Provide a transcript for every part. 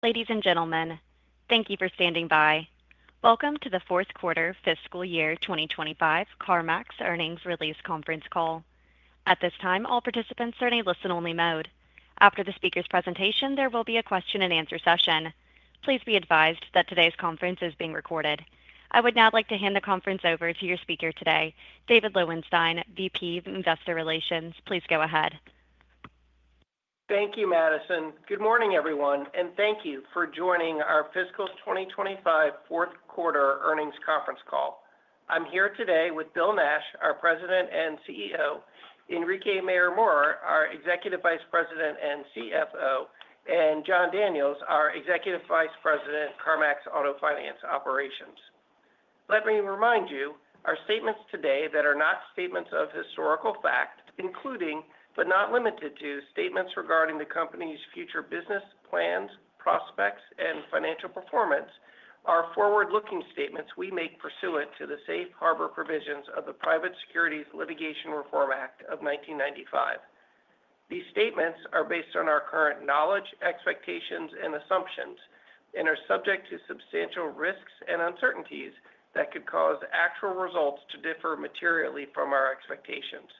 Ladies and gentlemen, thank you for standing by. Welcome to the Fourth Quarter Fiscal Year 2025, CarMax Earnings Release Conference Call. At this time, all participants are in a listen-only mode. After the speaker's presentation, there will be a question-and-answer session. Please be advised that today's conference is being recorded. I would now like to hand the conference over to your speaker today, David Lowenstein, VP of Investor Relations. Please go ahead. Thank you, Madison. Good morning, everyone, and thank you for joining our fiscal 2025 fourth quarter earnings conference call. I'm here today with Bill Nash, our President and CEO; Enrique Mayor-Mora, our Executive Vice President and CFO; and Jon Daniels, our Executive Vice President, CarMax Auto Finance Operations. Let me remind you, our statements today that are not statements of historical fact, including, but not limited to, statements regarding the company's future business plans, prospects, and financial performance, are forward-looking statements we make pursuant to the safe harbor provisions of the Private Securities Litigation Reform Act of 1995. These statements are based on our current knowledge, expectations, and assumptions, and are subject to substantial risks and uncertainties that could cause actual results to differ materially from our expectations.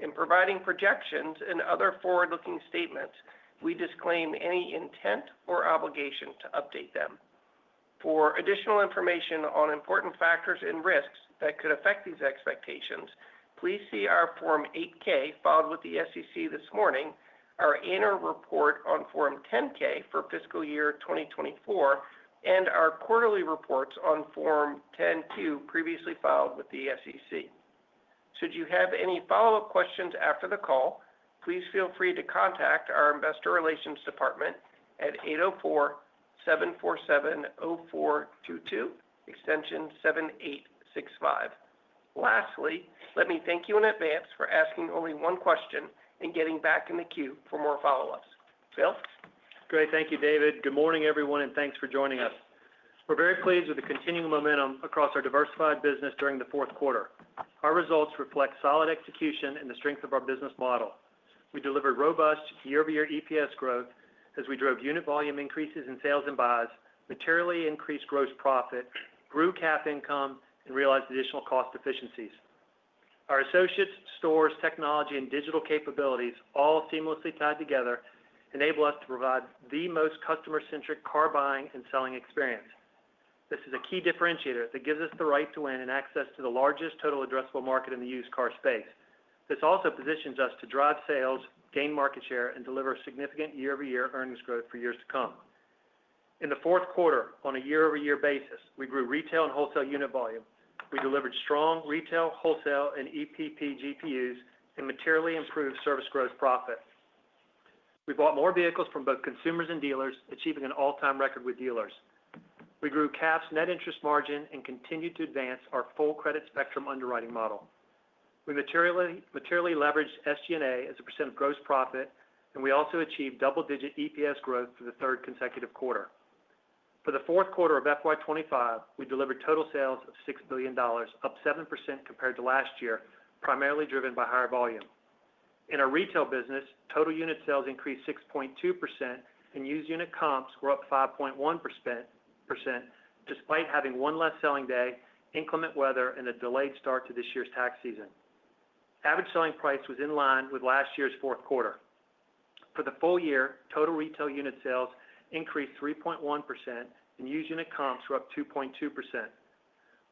In providing projections and other forward-looking statements, we disclaim any intent or obligation to update them. For additional information on important factors and risks that could affect these expectations, please see our Form 8-K filed with the SEC this morning, our annual report on Form 10-K for fiscal year 2024, and our quarterly reports on Form 10-Q previously filed with the SEC. Should you have any follow-up questions after the call, please feel free to contact our Investor Relations Department at 804-747-0422, extension 7865. Lastly, let me thank you in advance for asking only one question and getting back in the queue for more follow-ups. Bill? Great. Thank you, David. Good morning, everyone, and thanks for joining us. We're very pleased with the continued momentum across our diversified business during the fourth quarter. Our results reflect solid execution and the strength of our business model. We delivered robust year-over-year EPS growth as we drove unit volume increases in sales and buys, materially increased gross profit, grew cap income, and realized additional cost efficiencies. Our associates, stores, technology, and digital capabilities, all seamlessly tied together, enable us to provide the most customer-centric car buying and selling experience. This is a key differentiator that gives us the right to win in access to the largest total addressable market in the used car space. This also positions us to drive sales, gain market share, and deliver significant year-over-year earnings growth for years to come. In the fourth quarter, on a year-over-year basis, we grew retail and wholesale unit volume. We delivered strong retail, wholesale, and EPP GPUs and materially improved service growth profits. We bought more vehicles from both consumers and dealers, achieving an all-time record with dealers. We grew CAF's net interest margin and continued to advance our full credit spectrum underwriting model. We materially leveraged SG&A as a percent of gross profit, and we also achieved double-digit EPS growth for the third consecutive quarter. For the fourth quarter of FY '25, we delivered total sales of $6 billion, up 7% compared to last year, primarily driven by higher volume. In our retail business, total unit sales increased 6.2%, and used unit comps were up 5.1%, despite having one less selling day, inclement weather, and a delayed start to this year's tax season. Average selling price was in line with last year's fourth quarter. For the full year, total retail unit sales increased 3.1%, and used unit comps were up 2.2%,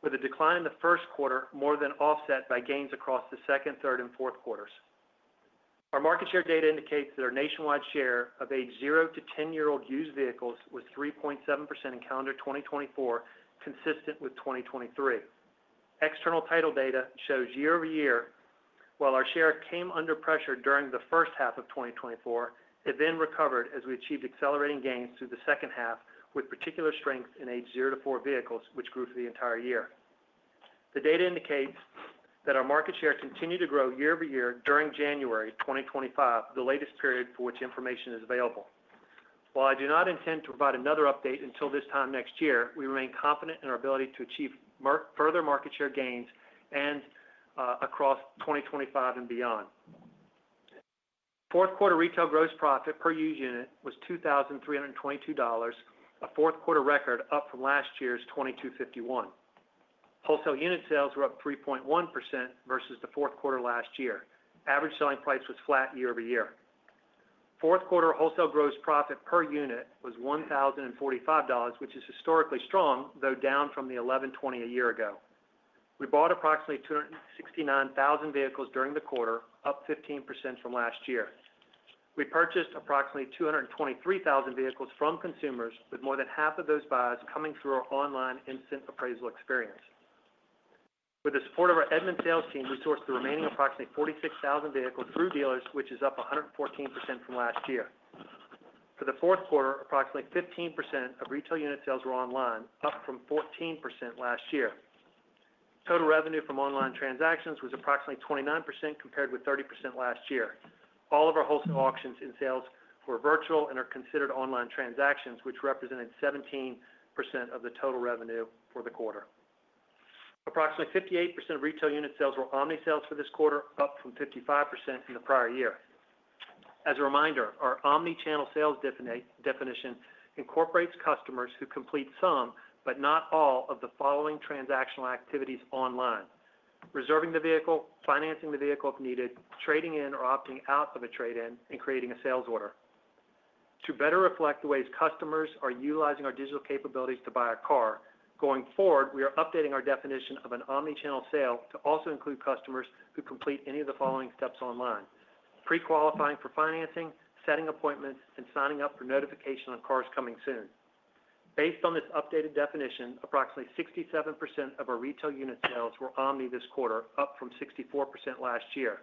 with a decline in the first quarter more than offset by gains across the second, third, and fourth quarters. Our market share data indicates that our nationwide share of age 0-10-year-old used vehicles was 3.7% in calendar 2024, consistent with 2023. External title data shows year-over-year, while our share came under pressure during the first half of 2024, it then recovered as we achieved accelerating gains through the second half, with particular strength in age 0-4 vehicles, which grew for the entire year. The data indicates that our market share continued to grow year-over-year during January 2025, the latest period for which information is available. While I do not intend to provide another update until this time next year, we remain confident in our ability to achieve further market share gains across 2025 and beyond. Fourth quarter retail gross profit per used unit was $2,322, a fourth quarter record up from last year's $2,251. Wholesale unit sales were up 3.1% versus the fourth quarter last year. Average selling price was flat year-over-year. Fourth quarter wholesale gross profit per unit was $1,045, which is historically strong, though down from the $1,120 a year ago. We bought approximately 269,000 vehicles during the quarter, up 15% from last year. We purchased approximately 223,000 vehicles from consumers, with more than half of those buys coming through our online instant appraisal experience. With the support of our Edmunds sales team, we sourced the remaining approximately 46,000 vehicles through dealers, which is up 114% from last year. For the fourth quarter, approximately 15% of retail unit sales were online, up from 14% last year. Total revenue from online transactions was approximately 29% compared with 30% last year. All of our wholesale auctions and sales were virtual and are considered online transactions, which represented 17% of the total revenue for the quarter. Approximately 58% of retail unit sales were omni sales for this quarter, up from 55% in the prior year. As a reminder, our omni-channel sales definition incorporates customers who complete some, but not all, of the following transactional activities online: reserving the vehicle, financing the vehicle if needed, trading in or opting out of a trade-in, and creating a sales order. To better reflect the ways customers are utilizing our digital capabilities to buy a car, going forward, we are updating our definition of an omni-channel sale to also include customers who complete any of the following steps online: pre-qualifying for financing, setting appointments, and signing up for notification on cars coming soon. Based on this updated definition, approximately 67% of our retail unit sales were omni this quarter, up from 64% last year.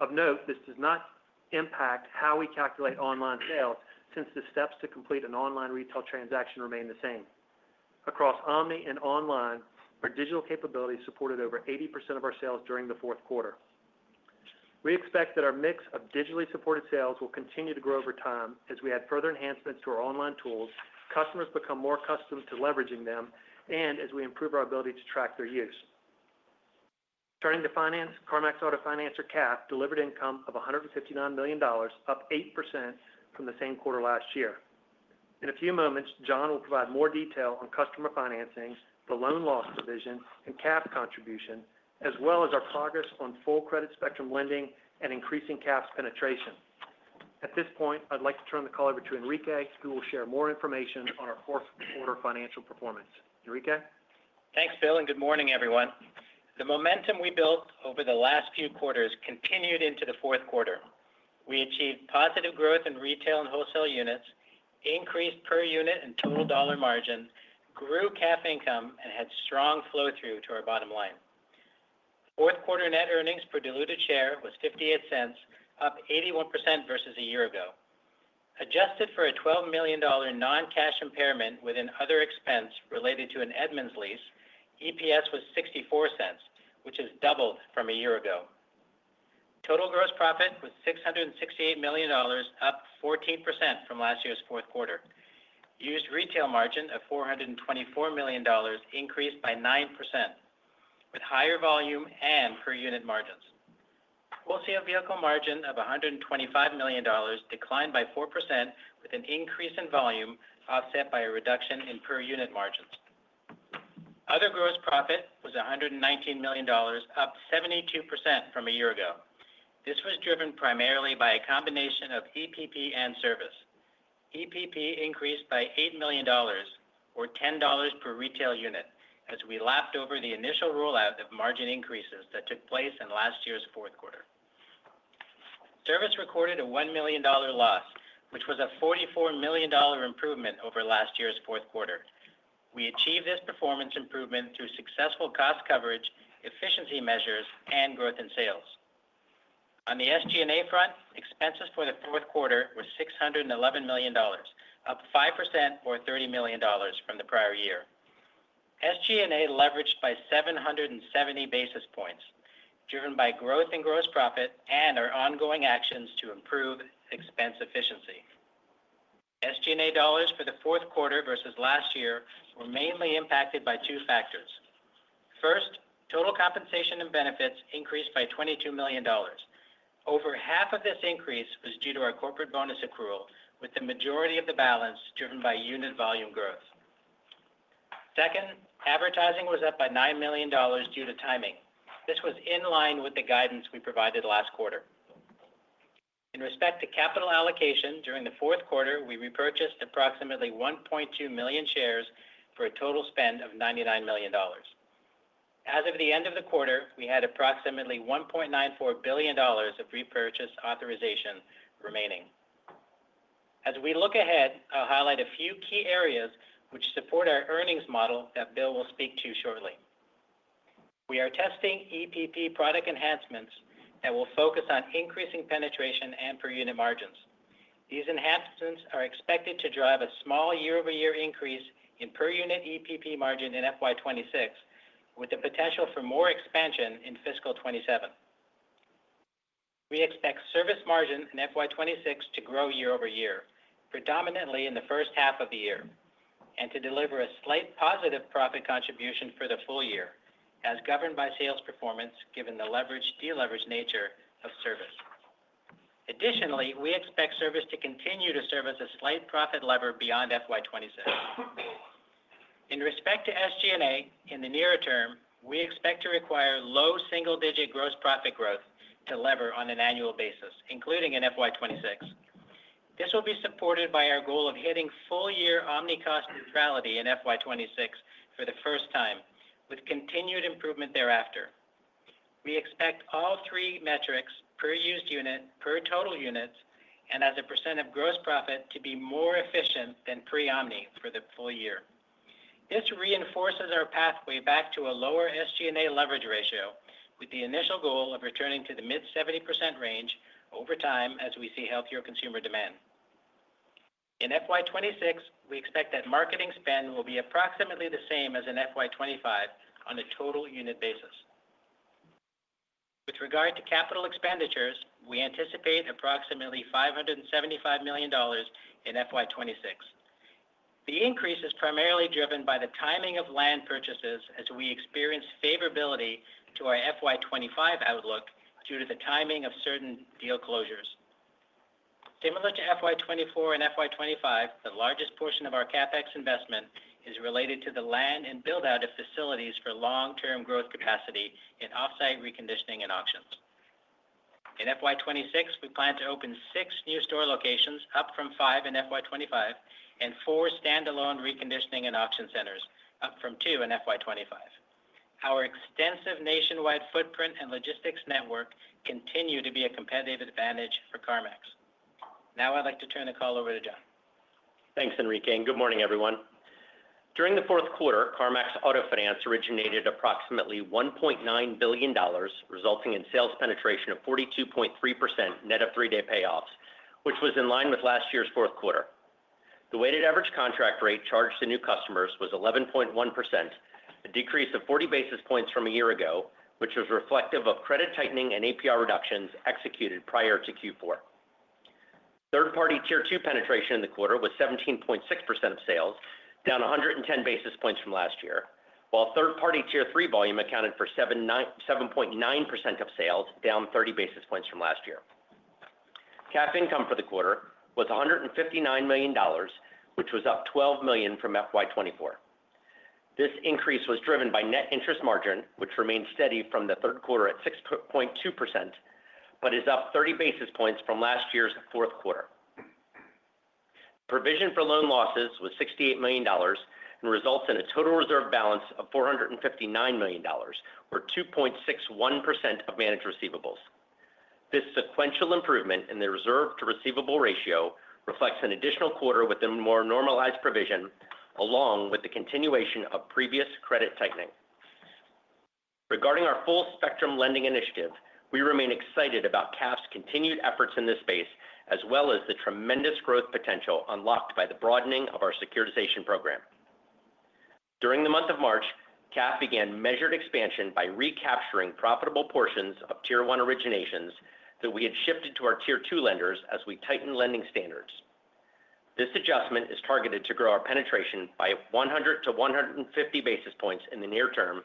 Of note, this does not impact how we calculate online sales since the steps to complete an online retail transaction remain the same. Across omni and online, our digital capabilities supported over 80% of our sales during the fourth quarter. We expect that our mix of digitally supported sales will continue to grow over time as we add further enhancements to our online tools, customers become more accustomed to leveraging them, and as we improve our ability to track their use. Turning to finance, CarMax Auto Finance, or CAF, delivered income of $159 million, up 8% from the same quarter last year. In a few moments, Jon will provide more detail on customer financing, the loan loss provision, and CAF contribution, as well as our progress on full credit spectrum lending and increasing CAF's penetration. At this point, I'd like to turn the call over to Enrique, who will share more information on our fourth quarter financial performance. Enrique? Thanks, Bill, and good morning, everyone. The momentum we built over the last few quarters continued into the fourth quarter. We achieved positive growth in retail and wholesale units, increased per unit and total dollar margin, grew CAP income, and had strong flow-through to our bottom line. Fourth quarter net earnings per diluted share was $0.58, up 81% versus a year ago. Adjusted for a $12 million non-cash impairment within other expense related to an Edmunds lease, EPS was $0.64, which is doubled from a year ago. Total gross profit was $668 million, up 14% from last year's fourth quarter. Used retail margin of $424 million increased by 9%, with higher volume and per unit margins. Wholesale vehicle margin of $125 million declined by 4%, with an increase in volume offset by a reduction in per unit margins. Other gross profit was $119 million, up 72% from a year ago. This was driven primarily by a combination of EPP and service. EPP increased by $8 million, or $10 per retail unit, as we lapped over the initial rollout of margin increases that took place in last year's fourth quarter. Service recorded a $1 million loss, which was a $44 million improvement over last year's fourth quarter. We achieved this performance improvement through successful cost coverage, efficiency measures, and growth in sales. On the SG&A front, expenses for the fourth quarter were $611 million, up 5%, or $30 million from the prior year. SG&A leveraged by 770 basis points, driven by growth in gross profit and our ongoing actions to improve expense efficiency. SG&A dollars for the fourth quarter versus last year were mainly impacted by two factors. First, total compensation and benefits increased by $22 million. Over half of this increase was due to our corporate bonus accrual, with the majority of the balance driven by unit volume growth. Second, advertising was up by $9 million due to timing. This was in line with the guidance we provided last quarter. In respect to capital allocation, during the fourth quarter, we repurchased approximately 1.2 million shares for a total spend of $99 million. As of the end of the quarter, we had approximately $1.94 billion of repurchase authorization remaining. As we look ahead, I'll highlight a few key areas which support our earnings model that Bill will speak to shortly. We are testing EPP product enhancements that will focus on increasing penetration and per unit margins. These enhancements are expected to drive a small year-over-year increase in per unit EPP margin in FY '26, with the potential for more expansion in fiscal '27. We expect service margin in FY '26 to grow year-over-year, predominantly in the first half of the year, and to deliver a slight positive profit contribution for the full year, as governed by sales performance given the leveraged deleveraged nature of service. Additionally, we expect service to continue to serve as a slight profit lever beyond FY '26. In respect to SG&A in the nearer term, we expect to require low single-digit gross profit growth to lever on an annual basis, including in FY '26. This will be supported by our goal of hitting full-year omni-cost neutrality in FY '26 for the first time, with continued improvement thereafter. We expect all three metrics, per used unit, per total units, and as a percent of gross profit, to be more efficient than pre-omni for the full year. This reinforces our pathway back to a lower SG&A leverage ratio, with the initial goal of returning to the mid-70% range over time as we see healthier consumer demand. In FY '26, we expect that marketing spend will be approximately the same as in FY '25 on a total unit basis. With regard to capital expenditures, we anticipate approximately $575 million in FY '26. The increase is primarily driven by the timing of land purchases as we experience favorability to our FY '25 outlook due to the timing of certain deal closures. Similar to FY '24 and FY '25, the largest portion of our CarMax investment is related to the land and build-out of facilities for long-term growth capacity in off-site reconditioning and auctions. In FY26, we plan to open six new store locations, up from five in FY '25, and four standalone reconditioning and auction centers, up from two in FY '25. Our extensive nationwide footprint and logistics network continue to be a competitive advantage for CarMax. Now I'd like to turn the call over to Jon. Thanks, Enrique. Good morning, everyone. During the fourth quarter, CarMax Auto Finance originated approximately $1.9 billion, resulting in sales penetration of 42.3% net of three-day payoffs, which was in line with last year's fourth quarter. The weighted average contract rate charged to new customers was 11.1%, a decrease of 40 basis points from a year ago, which was reflective of credit tightening and APR reductions executed prior to Q4. Third-party tier two penetration in the quarter was 17.6% of sales, down 110 basis points from last year, while third-party tier three volume accounted for 7.9% of sales, down 30 basis points from last year. CAF income for the quarter was $159 million, which was up $12 million from FY '24. This increase was driven by net interest margin, which remained steady from the third quarter at 6.2%, but is up 30 basis points from last year's fourth quarter. Provision for loan losses was $68 million and results in a total reserve balance of $459 million, or 2.61% of managed receivables. This sequential improvement in the reserve-to-receivable ratio reflects an additional quarter with a more normalized provision, along with the continuation of previous credit tightening. Regarding our full-spectrum lending initiative, we remain excited about CAP's continued efforts in this space, as well as the tremendous growth potential unlocked by the broadening of our securitization program. During the month of March, CAP began measured expansion by recapturing profitable portions of tier one originations that we had shifted to our tier two lenders as we tightened lending standards. This adjustment is targeted to grow our penetration by 100 to 150 basis points in the near term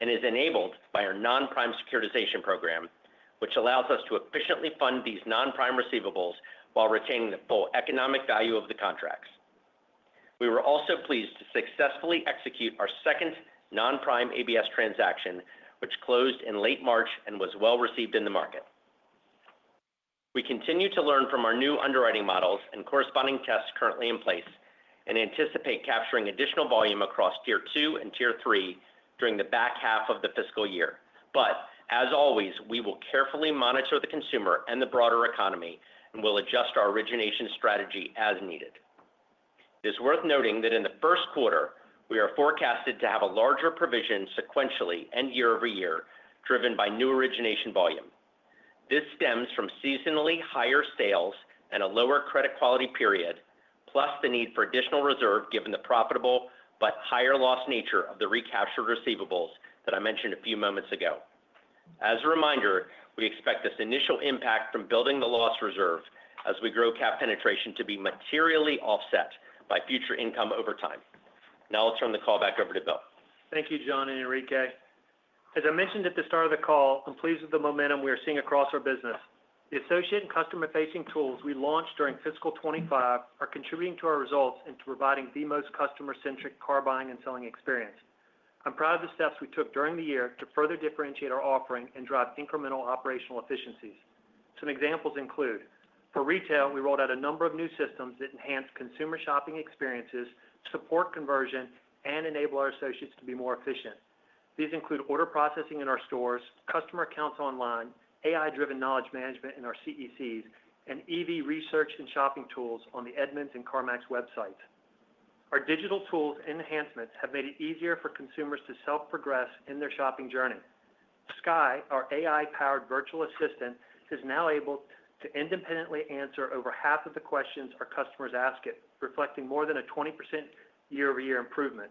and is enabled by our non-prime securitization program, which allows us to efficiently fund these non-prime receivables while retaining the full economic value of the contracts. We were also pleased to successfully execute our second non-prime ABS transaction, which closed in late March and was well received in the market. We continue to learn from our new underwriting models and corresponding tests currently in place and anticipate capturing additional volume across tier two and tier three during the back half of the fiscal year. As always, we will carefully monitor the consumer and the broader economy and will adjust our origination strategy as needed. It is worth noting that in the first quarter, we are forecasted to have a larger provision sequentially and year-over-year, driven by new origination volume. This stems from seasonally higher sales and a lower credit quality period, plus the need for additional reserve given the profitable but higher loss nature of the recaptured receivables that I mentioned a few moments ago. As a reminder, we expect this initial impact from building the loss reserve as we grow CAF penetration to be materially offset by future income over time. Now I'll turn the call back over to Bill. Thank you, Jon and Enrique. As I mentioned at the start of the call, I'm pleased with the momentum we are seeing across our business. The associate and customer-facing tools we launched during fiscal '25 are contributing to our results and to providing the most customer-centric car buying and selling experience. I'm proud of the steps we took during the year to further differentiate our offering and drive incremental operational efficiencies. Some examples include: for retail, we rolled out a number of new systems that enhance consumer shopping experiences, support conversion, and enable our associates to be more efficient. These include order processing in our stores, customer accounts online, AI-driven knowledge management in our CECs, and EV research and shopping tools on the Edmunds and CarMax websites. Our digital tools and enhancements have made it easier for consumers to self-progress in their shopping journey. Sky, our AI-powered virtual assistant, is now able to independently answer over half of the questions our customers ask it, reflecting more than a 20% year-over-year improvement.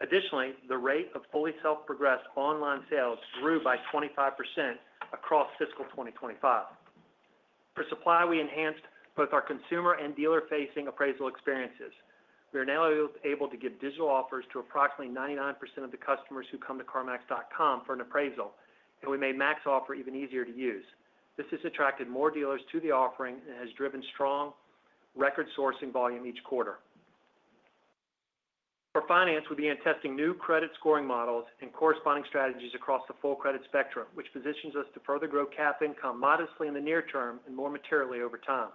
Additionally, the rate of fully self-progressed online sales grew by 25% across fiscal 2025. For supply, we enhanced both our consumer and dealer-facing appraisal experiences. We are now able to give digital offers to approximately 99% of the customers who come to CarMax.com for an appraisal, and we made MaxOffer even easier to use. This has attracted more dealers to the offering and has driven strong record sourcing volume each quarter. For finance, we began testing new credit scoring models and corresponding strategies across the full credit spectrum, which positions us to further grow CAF income modestly in the near term and more materially over time.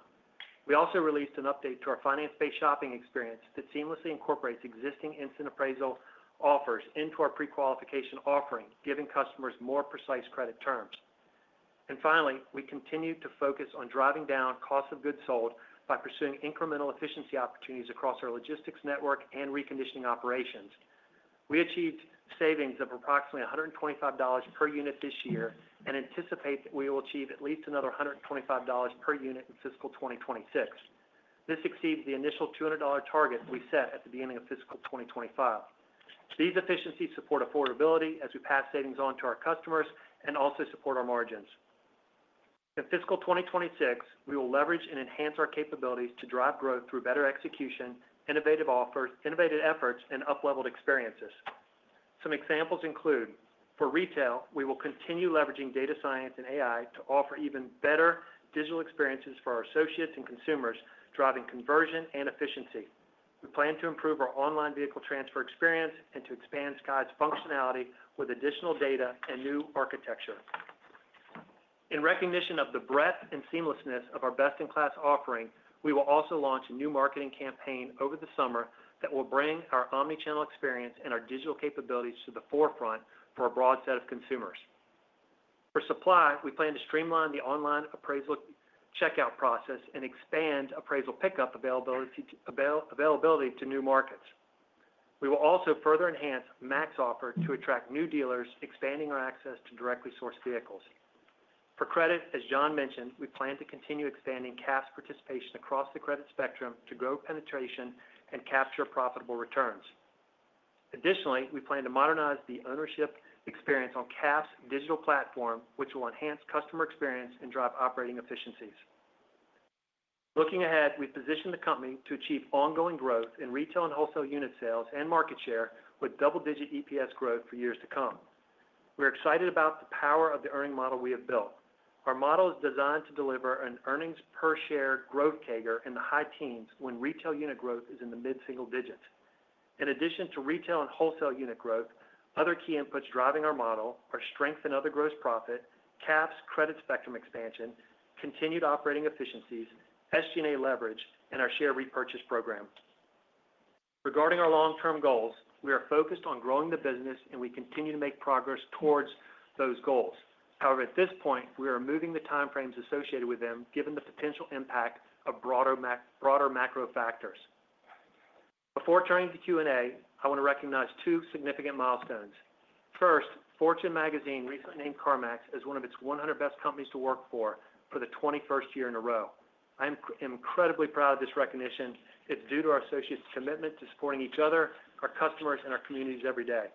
We also released an update to our finance-based shopping experience that seamlessly incorporates existing instant appraisal offers into our pre-qualification offering, giving customers more precise credit terms. We continue to focus on driving down cost of goods sold by pursuing incremental efficiency opportunities across our logistics network and reconditioning operations. We achieved savings of approximately $125 per unit this year and anticipate that we will achieve at least another $125 per unit in fiscal 2026. This exceeds the initial $200 target we set at the beginning of fiscal 2025. These efficiencies support affordability as we pass savings on to our customers and also support our margins. In fiscal 2026, we will leverage and enhance our capabilities to drive growth through better execution, innovative efforts, and up-leveled experiences. Some examples include: for retail, we will continue leveraging data science and AI to offer even better digital experiences for our associates and consumers, driving conversion and efficiency. We plan to improve our online vehicle transfer experience and to expand Sky's functionality with additional data and new architecture. In recognition of the breadth and seamlessness of our best-in-class offering, we will also launch a new marketing campaign over the summer that will bring our omnichannel experience and our digital capabilities to the forefront for a broad set of consumers. For supply, we plan to streamline the online appraisal checkout process and expand appraisal pickup availability to new markets. We will also further enhance MaxOffer to attract new dealers, expanding our access to directly sourced vehicles. For credit, as Jon mentioned, we plan to continue expanding CAFs participation across the credit spectrum to grow penetration and capture profitable returns. Additionally, we plan to modernize the ownership experience on CAFs digital platform, which will enhance customer experience and drive operating efficiencies. Looking ahead, we position the company to achieve ongoing growth in retail and wholesale unit sales and market share with double-digit EPS growth for years to come. We're excited about the power of the earning model we have built. Our model is designed to deliver an EPS growth CAGR in the high teens when retail unit growth is in the mid-single digits. In addition to retail and wholesale unit growth, other key inputs driving our model are strength in other gross profit, CAFs credit spectrum expansion, continued operating efficiencies, SG&A leverage, and our share repurchase program. Regarding our long-term goals, we are focused on growing the business, and we continue to make progress towards those goals. However, at this point, we are moving the timeframes associated with them given the potential impact of broader macro factors. Before turning to Q&A, I want to recognize two significant milestones. First, Fortune Magazine recently named CarMax as one of its 100 best companies to work for for the 21st year in a row. I am incredibly proud of this recognition. It's due to our associates' commitment to supporting each other, our customers, and our communities every day.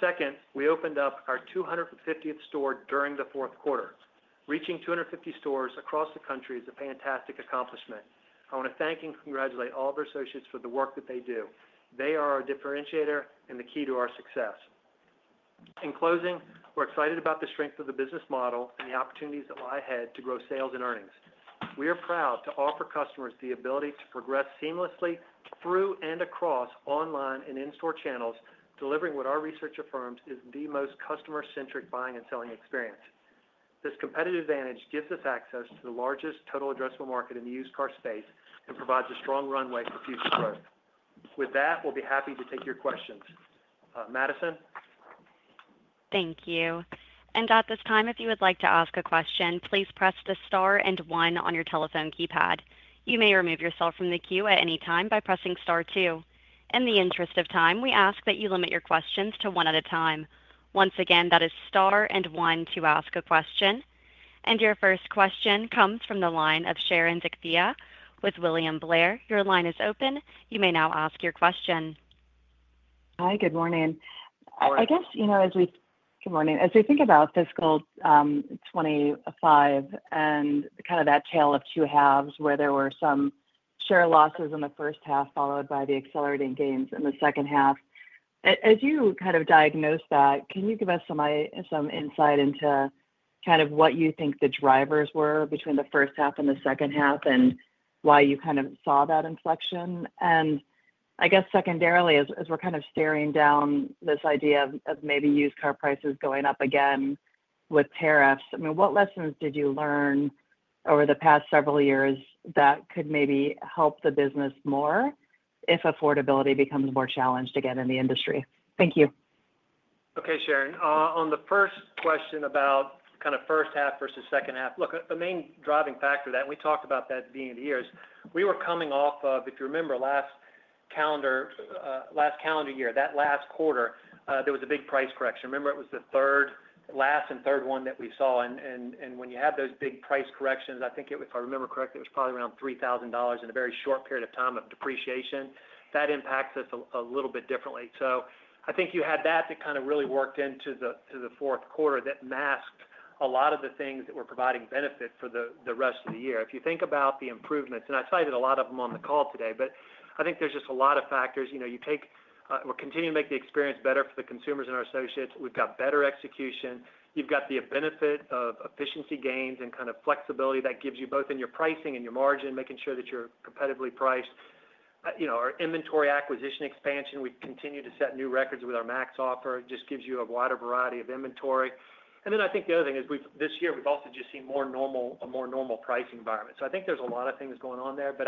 Second, we opened up our 250th store during the fourth quarter. Reaching 250 stores across the country is a fantastic accomplishment. I want to thank and congratulate all of our associates for the work that they do. They are our differentiator and the key to our success. In closing, we're excited about the strength of the business model and the opportunities that lie ahead to grow sales and earnings. We are proud to offer customers the ability to progress seamlessly through and across online and in-store channels, delivering what our research affirms is the most customer-centric buying and selling experience. This competitive advantage gives us access to the largest total addressable market in the used car space and provides a strong runway for future growth. With that, we'll be happy to take your questions. Madison? Thank you. At this time, if you would like to ask a question, please press the star and one on your telephone keypad. You may remove yourself from the queue at any time by pressing star two. In the interest of time, we ask that you limit your questions to one at a time. Once again, that is star and one to ask a question. Your first question comes from the line of Sharon Zackfia with William Blair. Your line is open. You may now ask your question. Hi, good morning. I guess, you know, as we—good morning. As we think about fiscal 2025 and kind of that tale of two halves where there were some share losses in the first half followed by the accelerating gains in the second half, as you kind of diagnosed that, can you give us some insight into kind of what you think the drivers were between the first half and the second half and why you kind of saw that inflection? I guess secondarily, as we're kind of staring down this idea of maybe used car prices going up again with tariffs, I mean, what lessons did you learn over the past several years that could maybe help the business more if affordability becomes more challenged again in the industry? Thank you. Okay, Sharon. On the first question about kind of first half versus second half, look, the main driving factor that—and we talked about that at the beginning of the year—is we were coming off of, if you remember, last calendar year, that last quarter, there was a big price correction. Remember, it was the third, last and third one that we saw. When you have those big price corrections, I think, if I remember correctly, it was probably around $3,000 in a very short period of time of depreciation. That impacts us a little bit differently. I think you had that that kind of really worked into the fourth quarter that masked a lot of the things that were providing benefit for the rest of the year. If you think about the improvements—and I cited a lot of them on the call today—but I think there's just a lot of factors. You know, you take—we're continuing to make the experience better for the consumers and our associates. We've got better execution. You've got the benefit of efficiency gains and kind of flexibility that gives you both in your pricing and your margin, making sure that you're competitively priced. You know, our inventory acquisition expansion, we've continued to set new records with our MAX offer. It just gives you a wider variety of inventory. I think the other thing is this year we've also just seen a more normal pricing environment. I think there's a lot of things going on there, but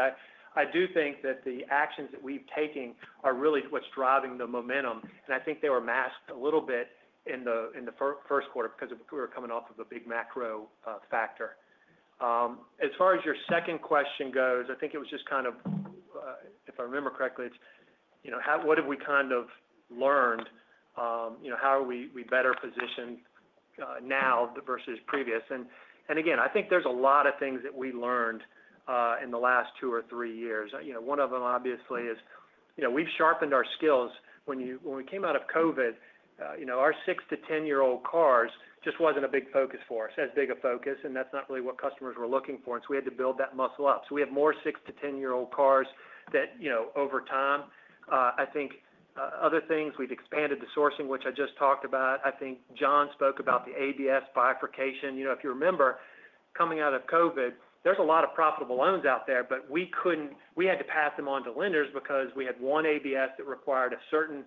I do think that the actions that we've taken are really what's driving the momentum. I think they were masked a little bit in the first quarter because we were coming off of a big macro factor. As far as your second question goes, I think it was just kind of, if I remember correctly, it's, you know, what have we kind of learned? You know, how are we better positioned now versus previous? I think there's a lot of things that we learned in the last two or three years. You know, one of them obviously is, you know, we've sharpened our skills. When we came out of COVID, you know, our six to ten-year-old cars just wasn't a big focus for us, as big a focus, and that's not really what customers were looking for, and so we had to build that muscle up. We have more six to ten-year-old cars that, you know, over time. I think other things, we've expanded the sourcing, which I just talked about. I think Jon spoke about the ABS bifurcation. You know, if you remember, coming out of COVID, there's a lot of profitable loans out there, but we couldn't—we had to pass them on to lenders because we had one ABS that required a certain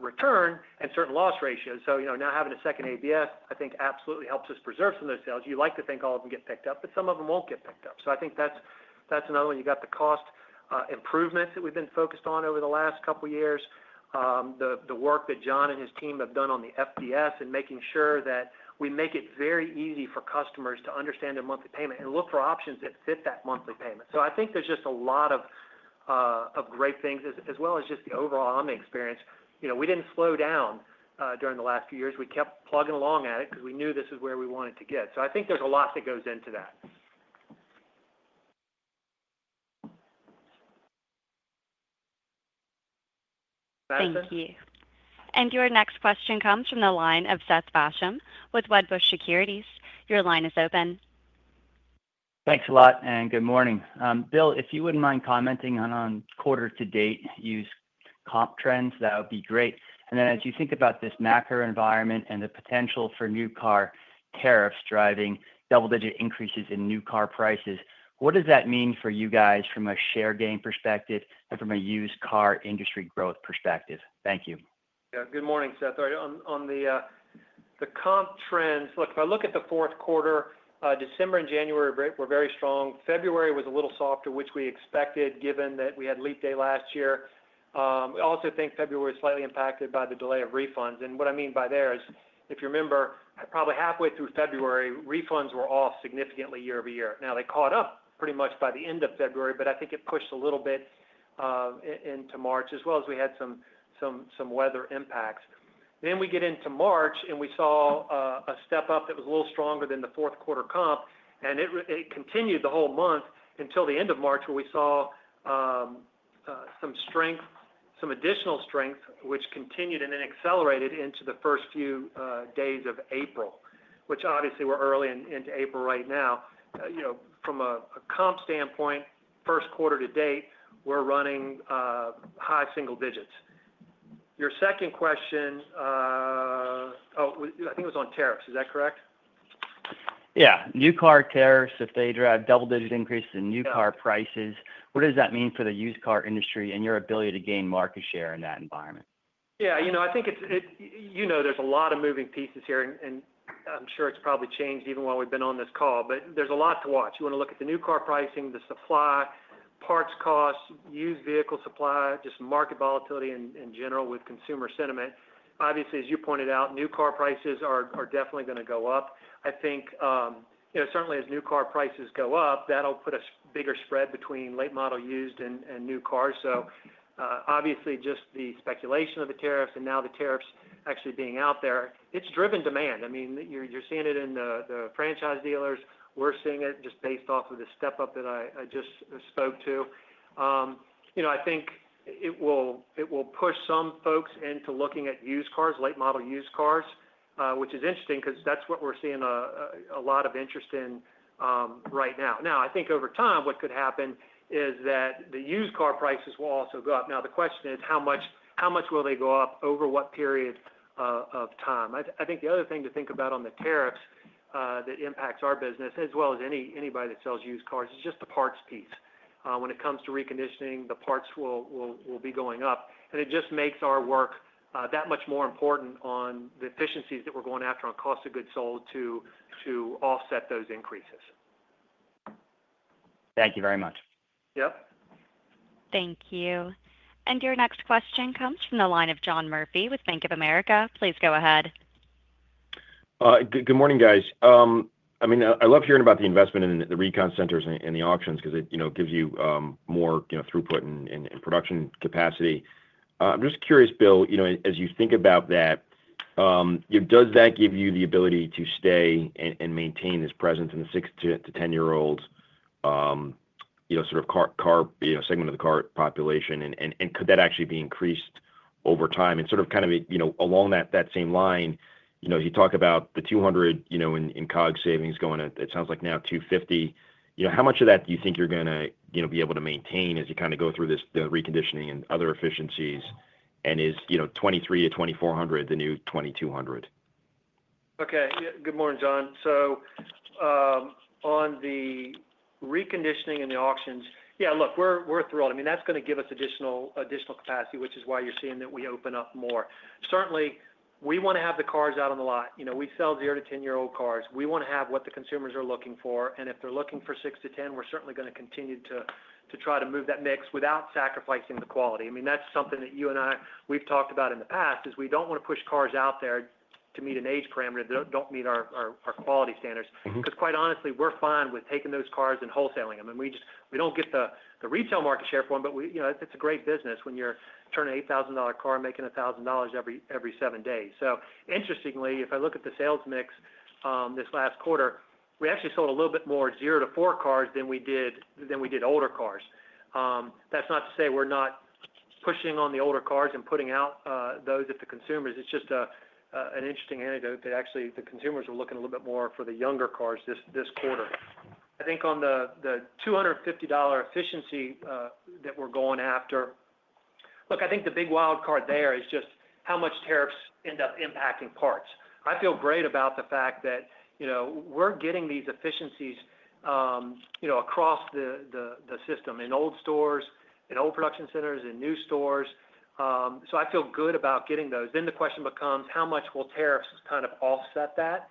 return and certain loss ratio. You know, now having a second ABS, I think, absolutely helps us preserve some of those sales. You'd like to think all of them get picked up, but some of them won't get picked up. I think that's another one. You've got the cost improvements that we've been focused on over the last couple of years, the work that Jon and his team have done on the FDS and making sure that we make it very easy for customers to understand their monthly payment and look for options that fit that monthly payment. I think there's just a lot of great things, as well as just the overall online experience. You know, we didn't slow down during the last few years. We kept plugging along at it because we knew this is where we wanted to get. I think there's a lot that goes into that. Thank you. Your next question comes from the line of Seth Basham with Wedbush Securities. Your line is open. Thanks a lot and good morning. Bill, if you wouldn't mind commenting on quarter-to-date used comp trends, that would be great. As you think about this macro environment and the potential for new car tariffs driving double-digit increases in new car prices, what does that mean for you guys from a share gain perspective and from a used car industry growth perspective? Thank you. Yeah, good morning, Seth. All right, on the comp trends, look, if I look at the fourth quarter, December and January were very strong. February was a little softer, which we expected given that we had leap day last year. I also think February was slightly impacted by the delay of refunds. And what I mean by there is, if you remember, probably halfway through February, refunds were off significantly year-over-year. Now, they caught up pretty much by the end of February, but I think it pushed a little bit into March, as well as we had some weather impacts. We get into March and we saw a step up that was a little stronger than the fourth quarter comp, and it continued the whole month until the end of March where we saw some strength, some additional strength, which continued and then accelerated into the first few days of April, which obviously we're early into April right now. You know, from a comp standpoint, first quarter-to-date, we're running high single digits. Your second question, oh, I think it was on tariffs. Is that correct? Yeah. New car tariffs, if they drive double-digit increases in new car prices, what does that mean for the used car industry and your ability to gain market share in that environment? Yeah, you know, I think it's, you know, there's a lot of moving pieces here, and I'm sure it's probably changed even while we've been on this call, but there's a lot to watch. You want to look at the new car pricing, the supply, parts costs, used vehicle supply, just market volatility in general with consumer sentiment. Obviously, as you pointed out, new car prices are definitely going to go up. I think, you know, certainly as new car prices go up, that'll put a bigger spread between late model used and new cars. Obviously, just the speculation of the tariffs and now the tariffs actually being out there, it's driven demand. I mean, you're seeing it in the franchise dealers. We're seeing it just based off of the step up that I just spoke to. You know, I think it will push some folks into looking at used cars, late model used cars, which is interesting because that's what we're seeing a lot of interest in right now. I think over time, what could happen is that the used car prices will also go up. The question is how much will they go up over what period of time? I think the other thing to think about on the tariffs that impacts our business, as well as anybody that sells used cars, is just the parts piece. When it comes to reconditioning, the parts will be going up. It just makes our work that much more important on the efficiencies that we're going after on cost of goods sold to offset those increases. Thank you very much. Yep. Thank you. Your next question comes from the line of John Murphy with Bank of America. Please go ahead. Good morning, guys. I mean, I love hearing about the investment in the recon centers and the auctions because it gives you more throughput and production capacity. I'm just curious, Bill, you know, as you think about that, does that give you the ability to stay and maintain this presence in the six to ten-year-old sort of car segment of the car population? Could that actually be increased over time? Sort of kind of along that same line, you talk about the $200 in COGS savings going to, it sounds like now $250. You know, how much of that do you think you're going to be able to maintain as you kind of go through this reconditioning and other efficiencies? Is $2,300 to $2,400 the new $2,200? Okay. Good morning, John. On the reconditioning and the auctions, yeah, look, we're thrilled. I mean, that's going to give us additional capacity, which is why you're seeing that we open up more. Certainly, we want to have the cars out on the lot. You know, we sell zero to ten-year-old cars. We want to have what the consumers are looking for. If they're looking for six to ten, we're certainly going to continue to try to move that mix without sacrificing the quality. I mean, that's something that you and I, we've talked about in the past, is we don't want to push cars out there to meet an age parameter, don't meet our quality standards. Because quite honestly, we're fine with taking those cars and wholesaling them. We just, we do not get the retail market share for them, but you know, it is a great business when you are turning an $8,000 car and making $1,000 every seven days. Interestingly, if I look at the sales mix this last quarter, we actually sold a little bit more zero to four cars than we did older cars. That is not to say we are not pushing on the older cars and putting out those at the consumers. It is just an interesting anecdote that actually the consumers are looking a little bit more for the younger cars this quarter. I think on the $250 efficiency that we are going after, look, I think the big wild card there is just how much tariffs end up impacting parts. I feel great about the fact that, you know, we're getting these efficiencies, you know, across the system in old stores, in old production centers, in new stores. I feel good about getting those. The question becomes, how much will tariffs kind of offset that?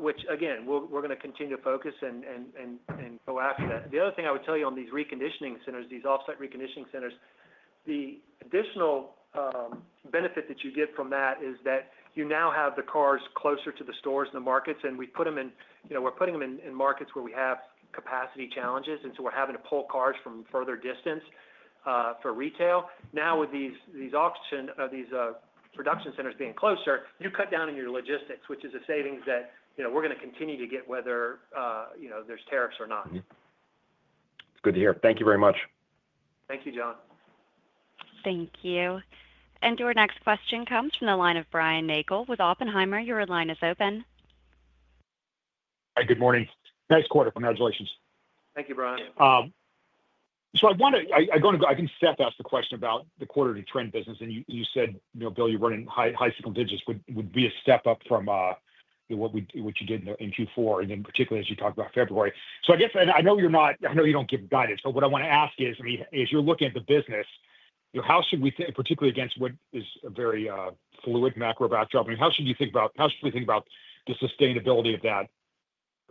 Which, again, we're going to continue to focus and go after that. The other thing I would tell you on these reconditioning centers, these offsite reconditioning centers, the additional benefit that you get from that is that you now have the cars closer to the stores and the markets, and we put them in, you know, we're putting them in markets where we have capacity challenges, and so we're having to pull cars from further distance for retail. Now, with these production centers being closer, you cut down on your logistics, which is a savings that, you know, we're going to continue to get whether, you know, there's tariffs or not. It's good to hear. Thank you very much. Thank you, John. Thank you. Your next question comes from the line of Brian Nagel with Oppenheimer. Your line is open. Hi, good morning. Nice quarter. Congratulations. Thank you, Brian. I want to, I'm going to go, I think Seth asked the question about the quarter-to-trend business, and you said, you know, Bill, you're running high single digits would be a step up from what you did in Q4, and then particularly as you talked about February. I guess, and I know you're not, I know you don't give guidance, but what I want to ask is, I mean, as you're looking at the business, you know, how should we think, particularly against what is a very fluid macro backdrop? I mean, how should you think about, how should we think about the sustainability of that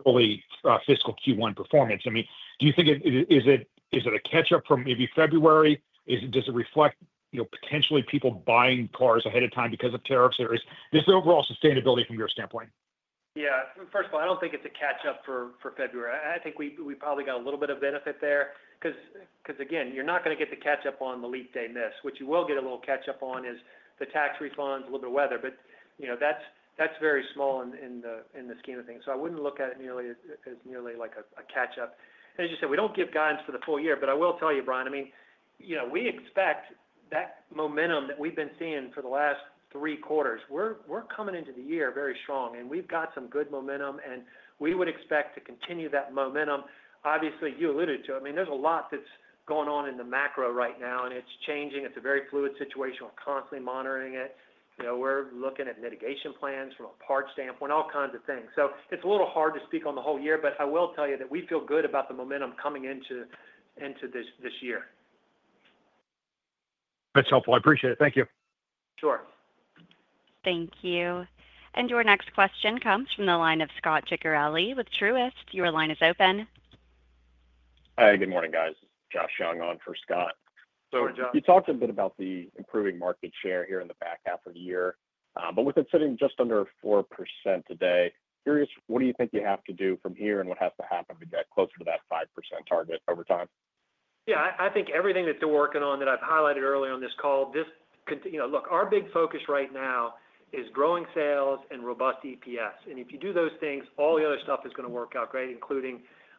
early fiscal Q1 performance? I mean, do you think it, is it a catch-up from maybe February? Does it reflect, you know, potentially people buying cars ahead of time because of tariffs? There is this overall sustainability from your standpoint? Yeah. First of all, I don't think it's a catch-up for February. I think we probably got a little bit of benefit there because, again, you're not going to get the catch-up on the leap day miss. What you will get a little catch-up on is the tax refunds, a little bit of weather, but, you know, that's very small in the scheme of things. I wouldn't look at it nearly as nearly like a catch-up. As you said, we don't give guidance for the full year, but I will tell you, Brian, I mean, you know, we expect that momentum that we've been seeing for the last three quarters. We're coming into the year very strong, and we've got some good momentum, and we would expect to continue that momentum. Obviously, you alluded to it. I mean, there's a lot that's going on in the macro right now, and it's changing. It's a very fluid situation. We're constantly monitoring it. You know, we're looking at mitigation plans from a part standpoint, all kinds of things. It's a little hard to speak on the whole year, but I will tell you that we feel good about the momentum coming into this year. That's helpful. I appreciate it. Thank you. Sure. Thank you. Your next question comes from the line of Scot Ciccarelli with Truist. Your line is open. Hi, good morning, guys. Josh Shang on for Scott. So, John. You talked a bit about the improving market share here in the back half of the year, but with it sitting just under 4% today, curious, what do you think you have to do from here and what has to happen to get closer to that 5% target over time? Yeah, I think everything that they're working on that I've highlighted early on this call, this, you know, look, our big focus right now is growing sales and robust EPS. If you do those things, all the other stuff is going to work out great,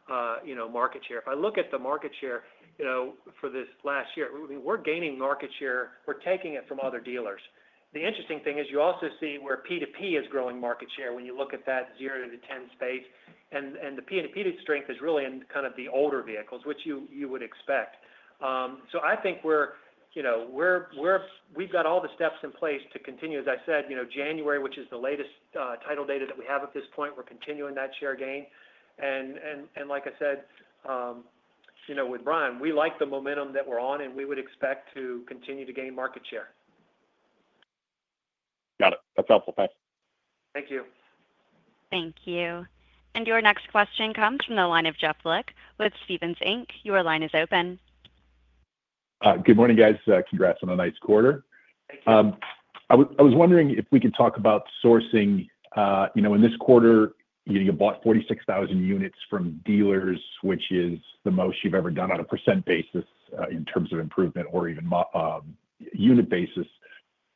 including, you know, market share. If I look at the market share, you know, for this last year, I mean, we're gaining market share. We're taking it from other dealers. The interesting thing is you also see where P2P is growing market share when you look at that zero to ten space. The P&P strength is really in kind of the older vehicles, which you would expect. I think we're, you know, we've got all the steps in place to continue, as I said, you know, January, which is the latest title data that we have at this point, we're continuing that share gain. Like I said, you know, with Brian, we like the momentum that we're on, and we would expect to continue to gain market share. Got it. That's helpful. Thanks. Thank you. Thank you. Your next question comes from the line of Jeff Lick with Stephens Inc. Your line is open. Good morning, guys. Congrats on a nice quarter. Thank you. I was wondering if we could talk about sourcing. You know, in this quarter, you bought 46,000 units from dealers, which is the most you've ever done on a percent basis in terms of improvement or even unit basis.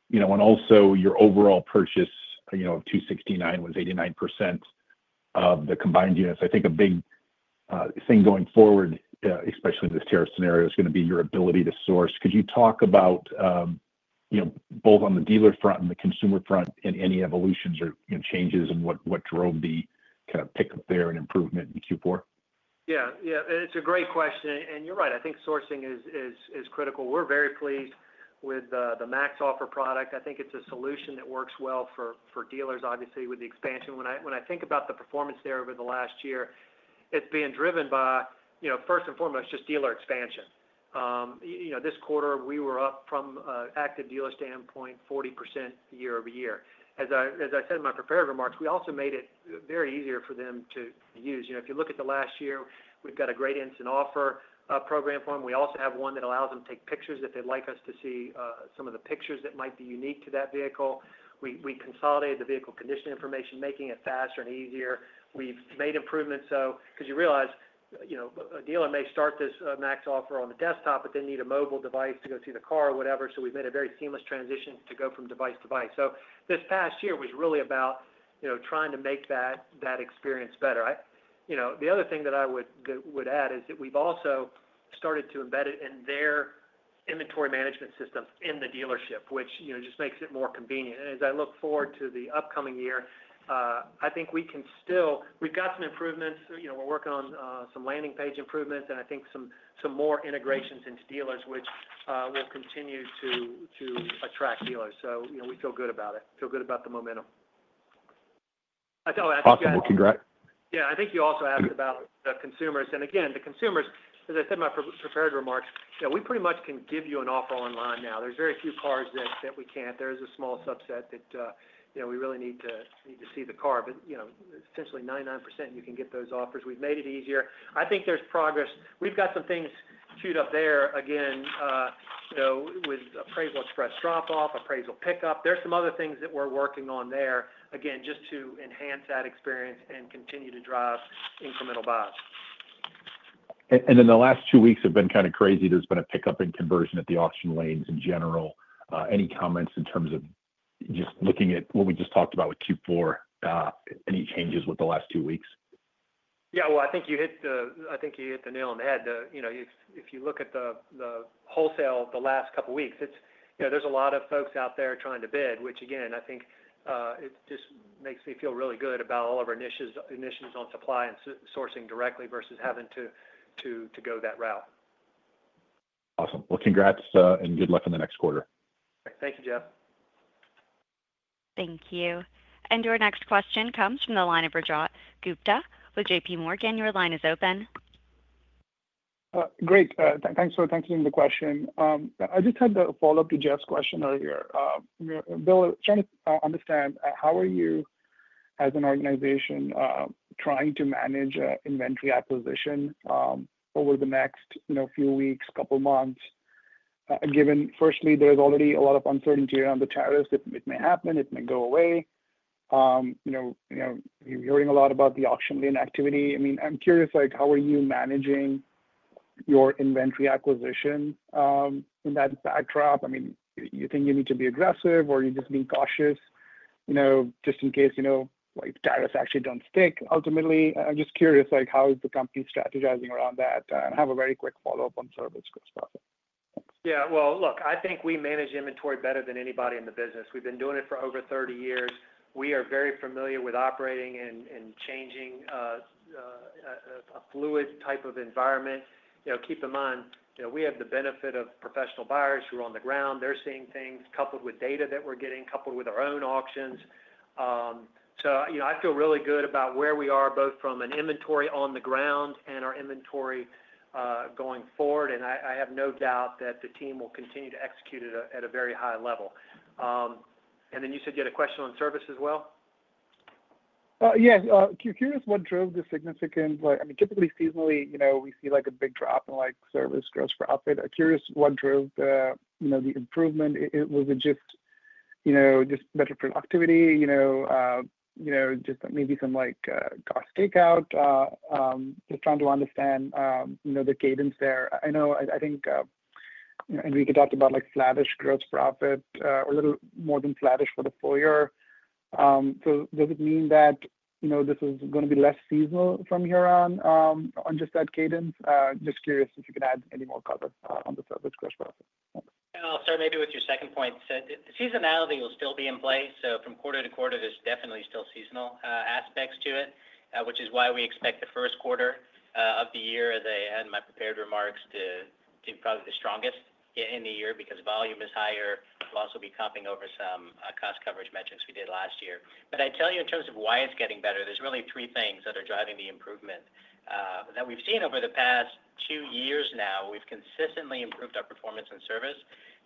You know, and also your overall purchase, you know, of 269,000 was 89% of the combined units. I think a big thing going forward, especially in this tariff scenario, is going to be your ability to source. Could you talk about, you know, both on the dealer front and the consumer front, and any evolutions or changes and what drove the kind of pickup there and improvement in Q4? Yeah, yeah. It's a great question. You're right. I think sourcing is critical. We're very pleased with the MaxOffer product. I think it's a solution that works well for dealers, obviously, with the expansion. When I think about the performance there over the last year, it's being driven by, you know, first and foremost, just dealer expansion. This quarter, we were up from an active dealer standpoint 40% year-over-year. As I said in my prepared remarks, we also made it very easier for them to use. You know, if you look at the last year, we've got a great instant offer program for them. We also have one that allows them to take pictures if they'd like us to see some of the pictures that might be unique to that vehicle. We consolidated the vehicle condition information, making it faster and easier. We've made improvements. Because you realize, you know, a dealer may start this Max offer on the desktop, but they need a mobile device to go see the car or whatever. We've made a very seamless transition to go from device to device. This past year was really about, you know, trying to make that experience better. The other thing that I would add is that we've also started to embed it in their inventory management system in the dealership, which, you know, just makes it more convenient. As I look forward to the upcoming year, I think we can still, we've got some improvements. You know, we're working on some landing page improvements, and I think some more integrations into dealers, which will continue to attract dealers. You know, we feel good about it. Feel good about the momentum. Oh, I thank you guys. Awesome. Congrats. Yeah. I think you also asked about the consumers. And again, the consumers, as I said in my prepared remarks, you know, we pretty much can give you an offer online now. There are very few cars that we cannot. There is a small subset that, you know, we really need to see the car. But, you know, essentially 99%, you can get those offers. We've made it easier. I think there is progress. We've got some things queued up there again, you know, with appraisal express drop-off, appraisal pickup. There are some other things that we are working on there, again, just to enhance that experience and continue to drive incremental buys. The last two weeks have been kind of crazy. There has been a pickup in conversion at the auction lanes in general. Any comments in terms of just looking at what we just talked about with Q4? Any changes with the last two weeks? Yeah. I think you hit the nail on the head. You know, if you look at the wholesale the last couple of weeks, it's, you know, there's a lot of folks out there trying to bid, which, again, I think it just makes me feel really good about all of our initiatives on supply and sourcing directly versus having to go that route. Awesome. Congrats and good luck in the next quarter. Thank you, Jeff. Thank you. Your next question comes from the line of Rajat Gupta with JPMorgan. Your line is open. Great. Thanks for answering the question. I just had a follow-up to Jeff's question earlier. Bill, I'm trying to understand how are you, as an organization, trying to manage inventory acquisition over the next, you know, few weeks, couple of months, given firstly, there's already a lot of uncertainty around the tariffs. It may happen. It may go away. You know, you're hearing a lot about the auction lane activity. I mean, I'm curious, like, how are you managing your inventory acquisition in that backdrop? I mean, do you think you need to be aggressive or are you just being cautious, you know, just in case, you know, like tariffs actually don't stick ultimately? I'm just curious, like, how is the company strategizing around that? I have a very quick follow-up on service costs. Yeah. Look, I think we manage inventory better than anybody in the business. We've been doing it for over 30 years. We are very familiar with operating and changing a fluid type of environment. You know, keep in mind, you know, we have the benefit of professional buyers who are on the ground. They're seeing things coupled with data that we're getting, coupled with our own auctions. You know, I feel really good about where we are, both from an inventory on the ground and our inventory going forward. I have no doubt that the team will continue to execute it at a very high level. You said you had a question on service as well? Yeah. Curious what drove the significant, like, I mean, typically seasonally, you know, we see like a big drop in like service gross profit. Curious what drove the, you know, the improvement. Was it just, you know, just better productivity, you know, you know, just maybe some like cost takeout? Just trying to understand, you know, the cadence there. I know, I think Enrique talked about like slattish gross profit or a little more than slattish for the full year. Does it mean that, you know, this is going to be less seasonal from here on, on just that cadence? Just curious if you could add any more color on the service gross profit. I'll start maybe with your second point. Seasonality will still be in place. From quarter to quarter, there's definitely still seasonal aspects to it, which is why we expect the first quarter of the year, as I had in my prepared remarks, to be probably the strongest in the year because volume is higher. We'll also be comping over some cost coverage metrics we did last year. I tell you, in terms of why it's getting better, there's really three things that are driving the improvement that we've seen over the past two years now. We've consistently improved our performance and service.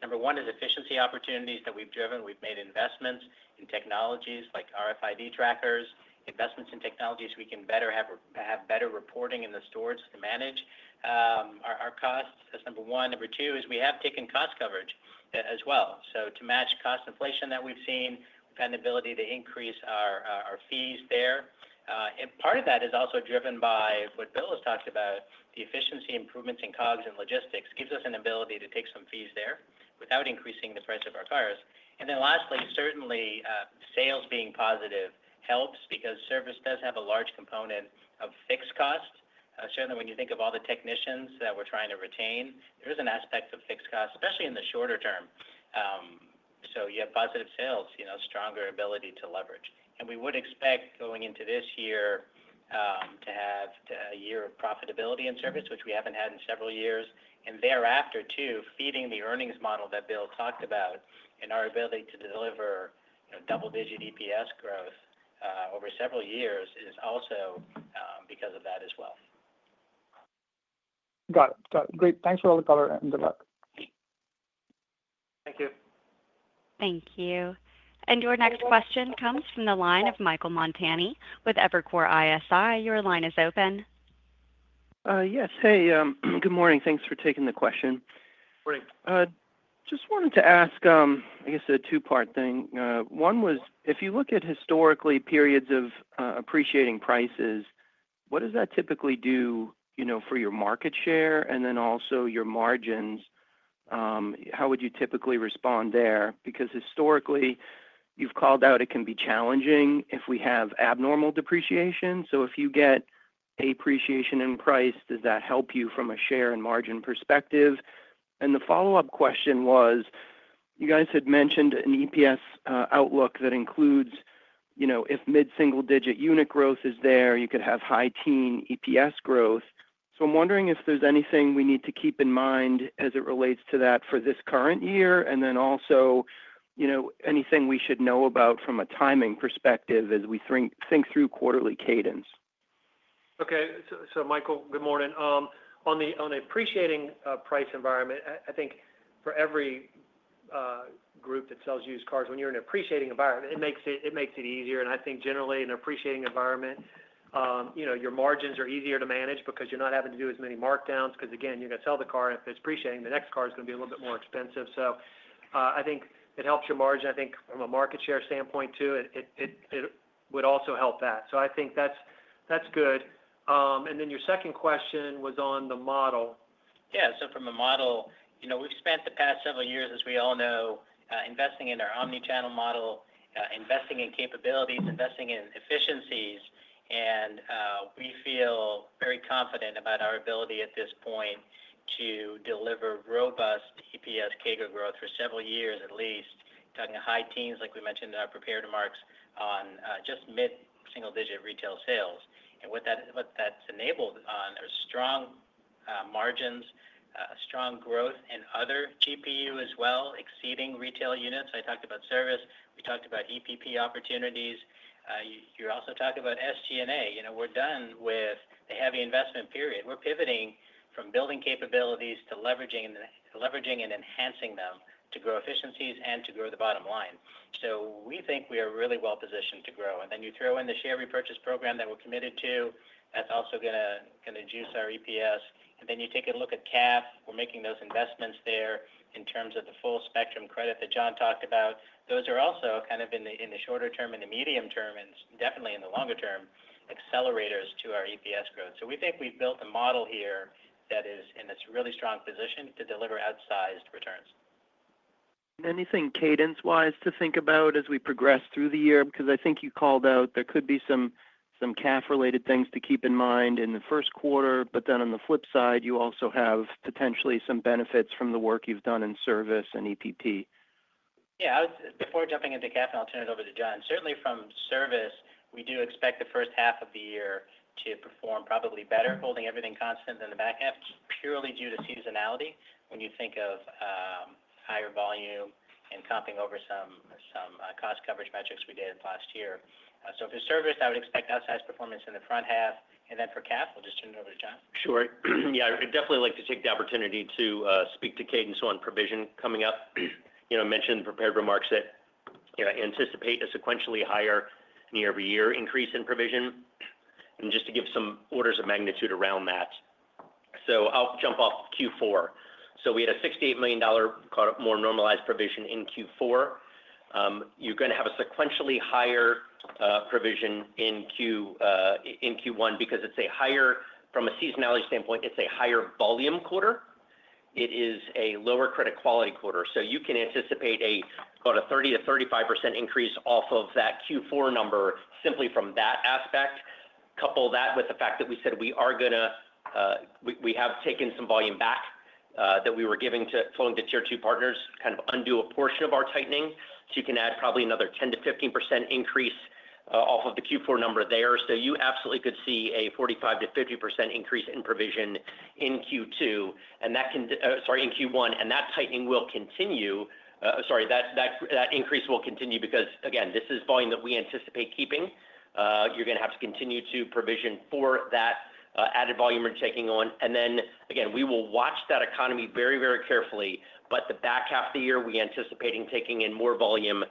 Number one is efficiency opportunities that we've driven. We've made investments in technologies like RFID trackers, investments in technologies we can better have, have better reporting in the stores to manage our costs as number one. Number two is we have taken cost coverage as well. To match cost inflation that we've seen, we've had an ability to increase our fees there. Part of that is also driven by what Bill has talked about, the efficiency improvements in COGS and logistics gives us an ability to take some fees there without increasing the price of our cars. Lastly, certainly sales being positive helps because service does have a large component of fixed costs. Certainly when you think of all the technicians that we're trying to retain, there is an aspect of fixed costs, especially in the shorter term. You have positive sales, you know, stronger ability to leverage. We would expect going into this year to have a year of profitability in service, which we haven't had in several years. Thereafter too, feeding the earnings model that Bill talked about and our ability to deliver double-digit EPS growth over several years is also because of that as well. Got it. Got it. Great. Thanks for all the color and good luck. Thank you. Thank you. Your next question comes from the line of Michael Montani with Evercore ISI. Your line is open. Yes. Hey, good morning. Thanks for taking the question. Morning. Just wanted to ask, I guess, a two-part thing. One was, if you look at historically periods of appreciating prices, what does that typically do, you know, for your market share and then also your margins? How would you typically respond there? Because historically, you've called out it can be challenging if we have abnormal depreciation. If you get appreciation in price, does that help you from a share and margin perspective? The follow-up question was, you guys had mentioned an EPS outlook that includes, you know, if mid-single-digit unit growth is there, you could have high-teen EPS growth. I'm wondering if there's anything we need to keep in mind as it relates to that for this current year. Also, you know, anything we should know about from a timing perspective as we think through quarterly cadence? Okay. Michael, good morning. On the appreciating price environment, I think for every group that sells used cars, when you're in an appreciating environment, it makes it easier. I think generally in an appreciating environment, you know, your margins are easier to manage because you're not having to do as many markdowns. Because again, you're going to sell the car, and if it's appreciating, the next car is going to be a little bit more expensive. I think it helps your margin. I think from a market share standpoint too, it would also help that. I think that's good. Your second question was on the model? Yeah. From the model, you know, we've spent the past several years, as we all know, investing in our omnichannel model, investing in capabilities, investing in efficiencies. We feel very confident about our ability at this point to deliver robust EPS CAGR growth for several years at least, talking of high teens, like we mentioned in our prepared remarks on just mid-single-digit retail sales. What that has enabled are strong margins, strong growth in other GPU as well, exceeding retail units. I talked about service. We talked about EPP opportunities. You also talked about SG&A. You know, we're done with the heavy investment period. We're pivoting from building capabilities to leveraging and enhancing them to grow efficiencies and to grow the bottom line. We think we are really well positioned to grow. You throw in the share repurchase program that we're committed to, that's also going to juice our EPS. You take a look at CAF. We're making those investments there in terms of the full spectrum credit that Jon talked about. Those are also kind of in the shorter term, in the medium term, and definitely in the longer term, accelerators to our EPS growth. We think we've built a model here that is in a really strong position to deliver outsized returns. Anything cadence-wise to think about as we progress through the year? Because I think you called out there could be some CAF-related things to keep in mind in the first quarter. On the flip side, you also have potentially some benefits from the work you've done in service and EPT. Yeah. Before jumping into CAF, and I'll turn it over to Jon. Certainly from service, we do expect the first half of the year to perform probably better, holding everything constant than the back half, purely due to seasonality when you think of higher volume and comping over some cost coverage metrics we did last year. For service, I would expect outsized performance in the front half. For CAF, we'll just turn it over to Jon. Sure. Yeah. I'd definitely like to take the opportunity to speak to cadence on provision coming up. You know, I mentioned in the prepared remarks that, you know, I anticipate a sequentially higher year-over-year increase in provision. And just to give some orders of magnitude around that. I'll jump off Q4. We had a $68 million more normalized provision in Q4. You're going to have a sequentially higher provision in Q1 because it's a higher, from a seasonality standpoint, it's a higher volume quarter. It is a lower credit quality quarter. You can anticipate a 30%-35% increase off of that Q4 number simply from that aspect. Couple that with the fact that we said we are going to, we have taken some volume back that we were giving to flowing to tier two partners, kind of undo a portion of our tightening. You can add probably another 10-15% increase off of the Q4 number there. You absolutely could see a 45-50% increase in provision in Q2. Sorry, in Q1. That tightening will continue. Sorry, that increase will continue because, again, this is volume that we anticipate keeping. You're going to have to continue to provision for that added volume we're taking on. Again, we will watch that economy very, very carefully. The back half of the year, we are anticipating taking in more volume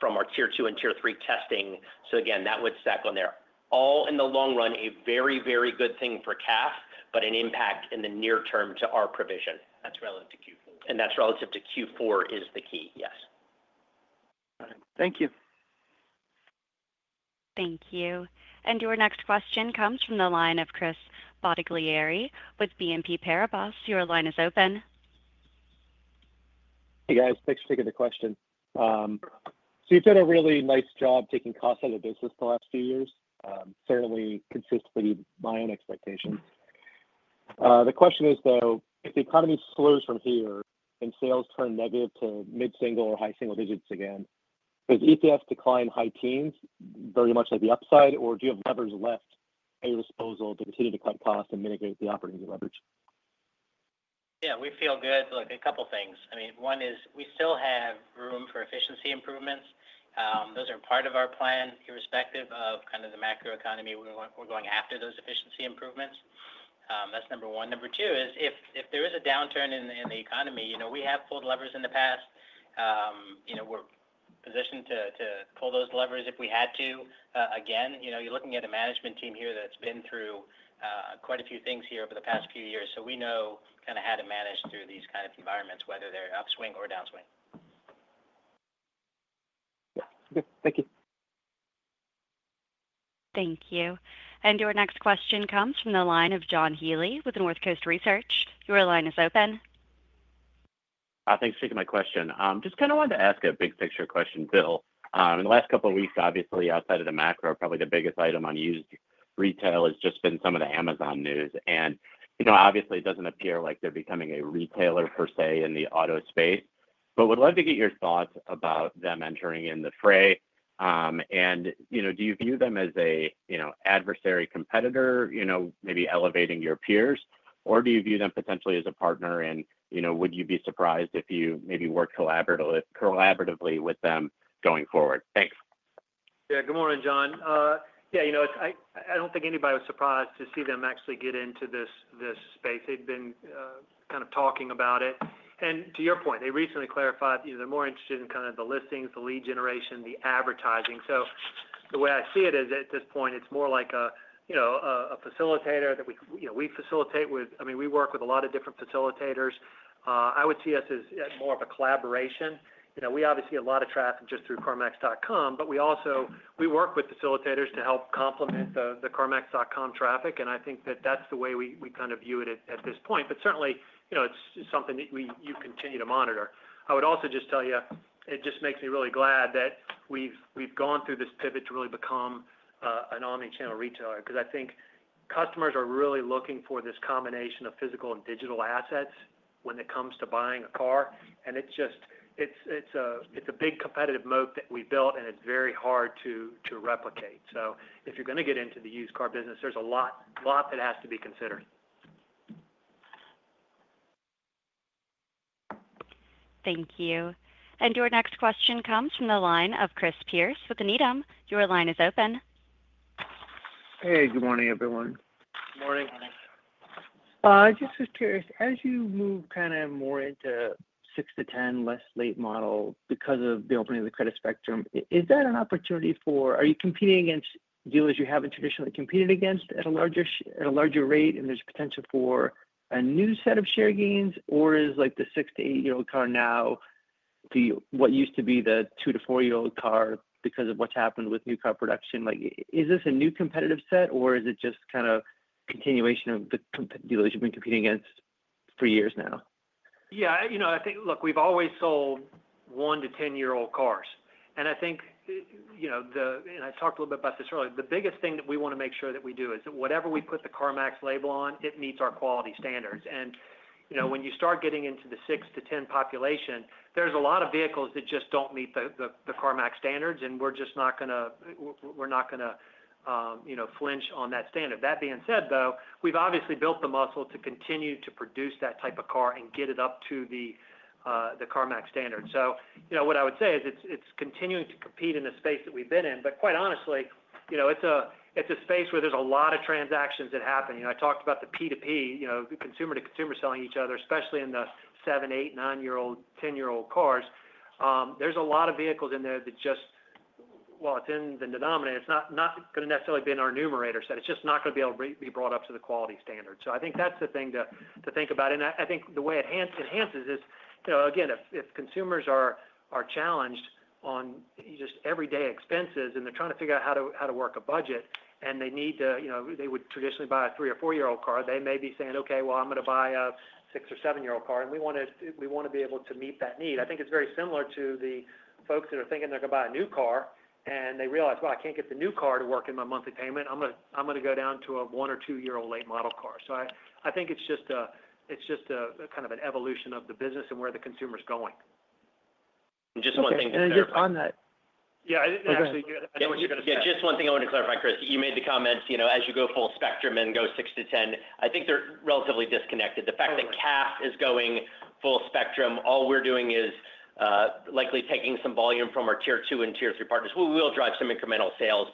from our tier two and tier three testing. That would stack on there. All in the long run, a very, very good thing for CAF, but an impact in the near term to our provision. That's relative to Q4. That's relative to Q4 is the key. Yes. Thank you. Thank you. Your next question comes from the line of Chris Bottiglieri with BNP Paribas. Your line is open. Hey, guys. Thanks for taking the question. You've done a really nice job taking costs out of business the last few years, certainly consistent with my own expectations. The question is, though, if the economy slows from here and sales turn negative to mid-single or high single digits again, does EPS decline high teens very much like the upside, or do you have levers left at your disposal to continue to cut costs and mitigate the operating leverage? Yeah. We feel good. Look, a couple of things. I mean, one is we still have room for efficiency improvements. Those are part of our plan irrespective of kind of the macroeconomy. We're going after those efficiency improvements. That's number one. Number two is if there is a downturn in the economy, you know, we have pulled levers in the past. You know, we're positioned to pull those levers if we had to again. You know, you're looking at a management team here that's been through quite a few things here over the past few years. So we know kind of how to manage through these kind of environments, whether they're upswing or downswing. Yeah. Thank you. Thank you. Your next question comes from the line of John Healy with Northcoast Research. Your line is open. Thanks for taking my question. Just kind of wanted to ask a big picture question, Bill. In the last couple of weeks, obviously, outside of the macro, probably the biggest item on used retail has just been some of the Amazon news. You know, obviously, it does not appear like they are becoming a retailer per se in the auto space, but would love to get your thoughts about them entering in the fray. You know, do you view them as a, you know, adversary competitor, you know, maybe elevating your peers, or do you view them potentially as a partner? You know, would you be surprised if you maybe work collaboratively with them going forward? Thanks. Yeah. Good morning, John. Yeah. You know, I don't think anybody was surprised to see them actually get into this space. They've been kind of talking about it. You know, to your point, they recently clarified, you know, they're more interested in kind of the listings, the lead generation, the advertising. The way I see it is at this point, it's more like a, you know, a facilitator that we, you know, we facilitate with. I mean, we work with a lot of different facilitators. I would see us as more of a collaboration. You know, we obviously see a lot of traffic just through carmax.com, but we also, we work with facilitators to help complement the carmax.com traffic. I think that that's the way we kind of view it at this point. Certainly, you know, it's something that you continue to monitor. I would also just tell you, it just makes me really glad that we've gone through this pivot to really become an omnichannel retailer. I think customers are really looking for this combination of physical and digital assets when it comes to buying a car. It's a big competitive moat that we built, and it's very hard to replicate. If you're going to get into the used car business, there's a lot that has to be considered. Thank you. Your next question comes from the line of Chris Pierce with Needham. Your line is open. Hey, good morning, everyone. Good morning. This is Pierce. As you move kind of more into 6 to 10 less late model because of the opening of the credit spectrum, is that an opportunity for, are you competing against dealers you haven't traditionally competed against at a larger rate, and there's potential for a new set of share gains, or is like the 6 to 8-year-old car now what used to be the 2 to 4-year-old car because of what's happened with new car production? Like, is this a new competitive set, or is it just kind of continuation of the dealers you've been competing against for years now? Yeah. You know, I think, look, we've always sold 1 to 10-year-old cars. I think, you know, the, and I talked a little bit about this earlier, the biggest thing that we want to make sure that we do is that whatever we put the CarMax label on, it meets our quality standards. You know, when you start getting into the 6 to 10 population, there's a lot of vehicles that just don't meet the CarMax standards, and we're just not going to, we're not going to, you know, flinch on that standard. That being said, though, we've obviously built the muscle to continue to produce that type of car and get it up to the CarMax standard. You know, what I would say is it's continuing to compete in the space that we've been in. Quite honestly, you know, it's a space where there's a lot of transactions that happen. You know, I talked about the P2P, you know, consumer-to-consumer selling each other, especially in the 7, 8, 9-year-old, 10-year-old cars. There's a lot of vehicles in there that just, well, it's in the denominator. It's not going to necessarily be in our numerator set. It's just not going to be able to be brought up to the quality standard. I think that's the thing to think about. I think the way it enhances is, you know, again, if consumers are challenged on just everyday expenses and they're trying to figure out how to work a budget and they need to, you know, they would traditionally buy a 3 or 4-year-old car, they may be saying, "Okay, I'm going to buy a 6 or 7-year-old car," and we want to be able to meet that need. I think it's very similar to the folks that are thinking they're going to buy a new car, and they realize, "I can't get the new car to work in my monthly payment. I'm going to go down to a 1 or 2-year-old late model car." I think it's just a kind of an evolution of the business and where the consumer's going. Just one thing. You're on that. Yeah. Actually, I know what you're going to say. Yeah. Just one thing I wanted to clarify, Chris. You made the comments, you know, as you go full spectrum and go 6-10, I think they're relatively disconnected. The fact that CAF is going full spectrum, all we're doing is likely taking some volume from our tier two and tier three partners. We will drive some incremental sales.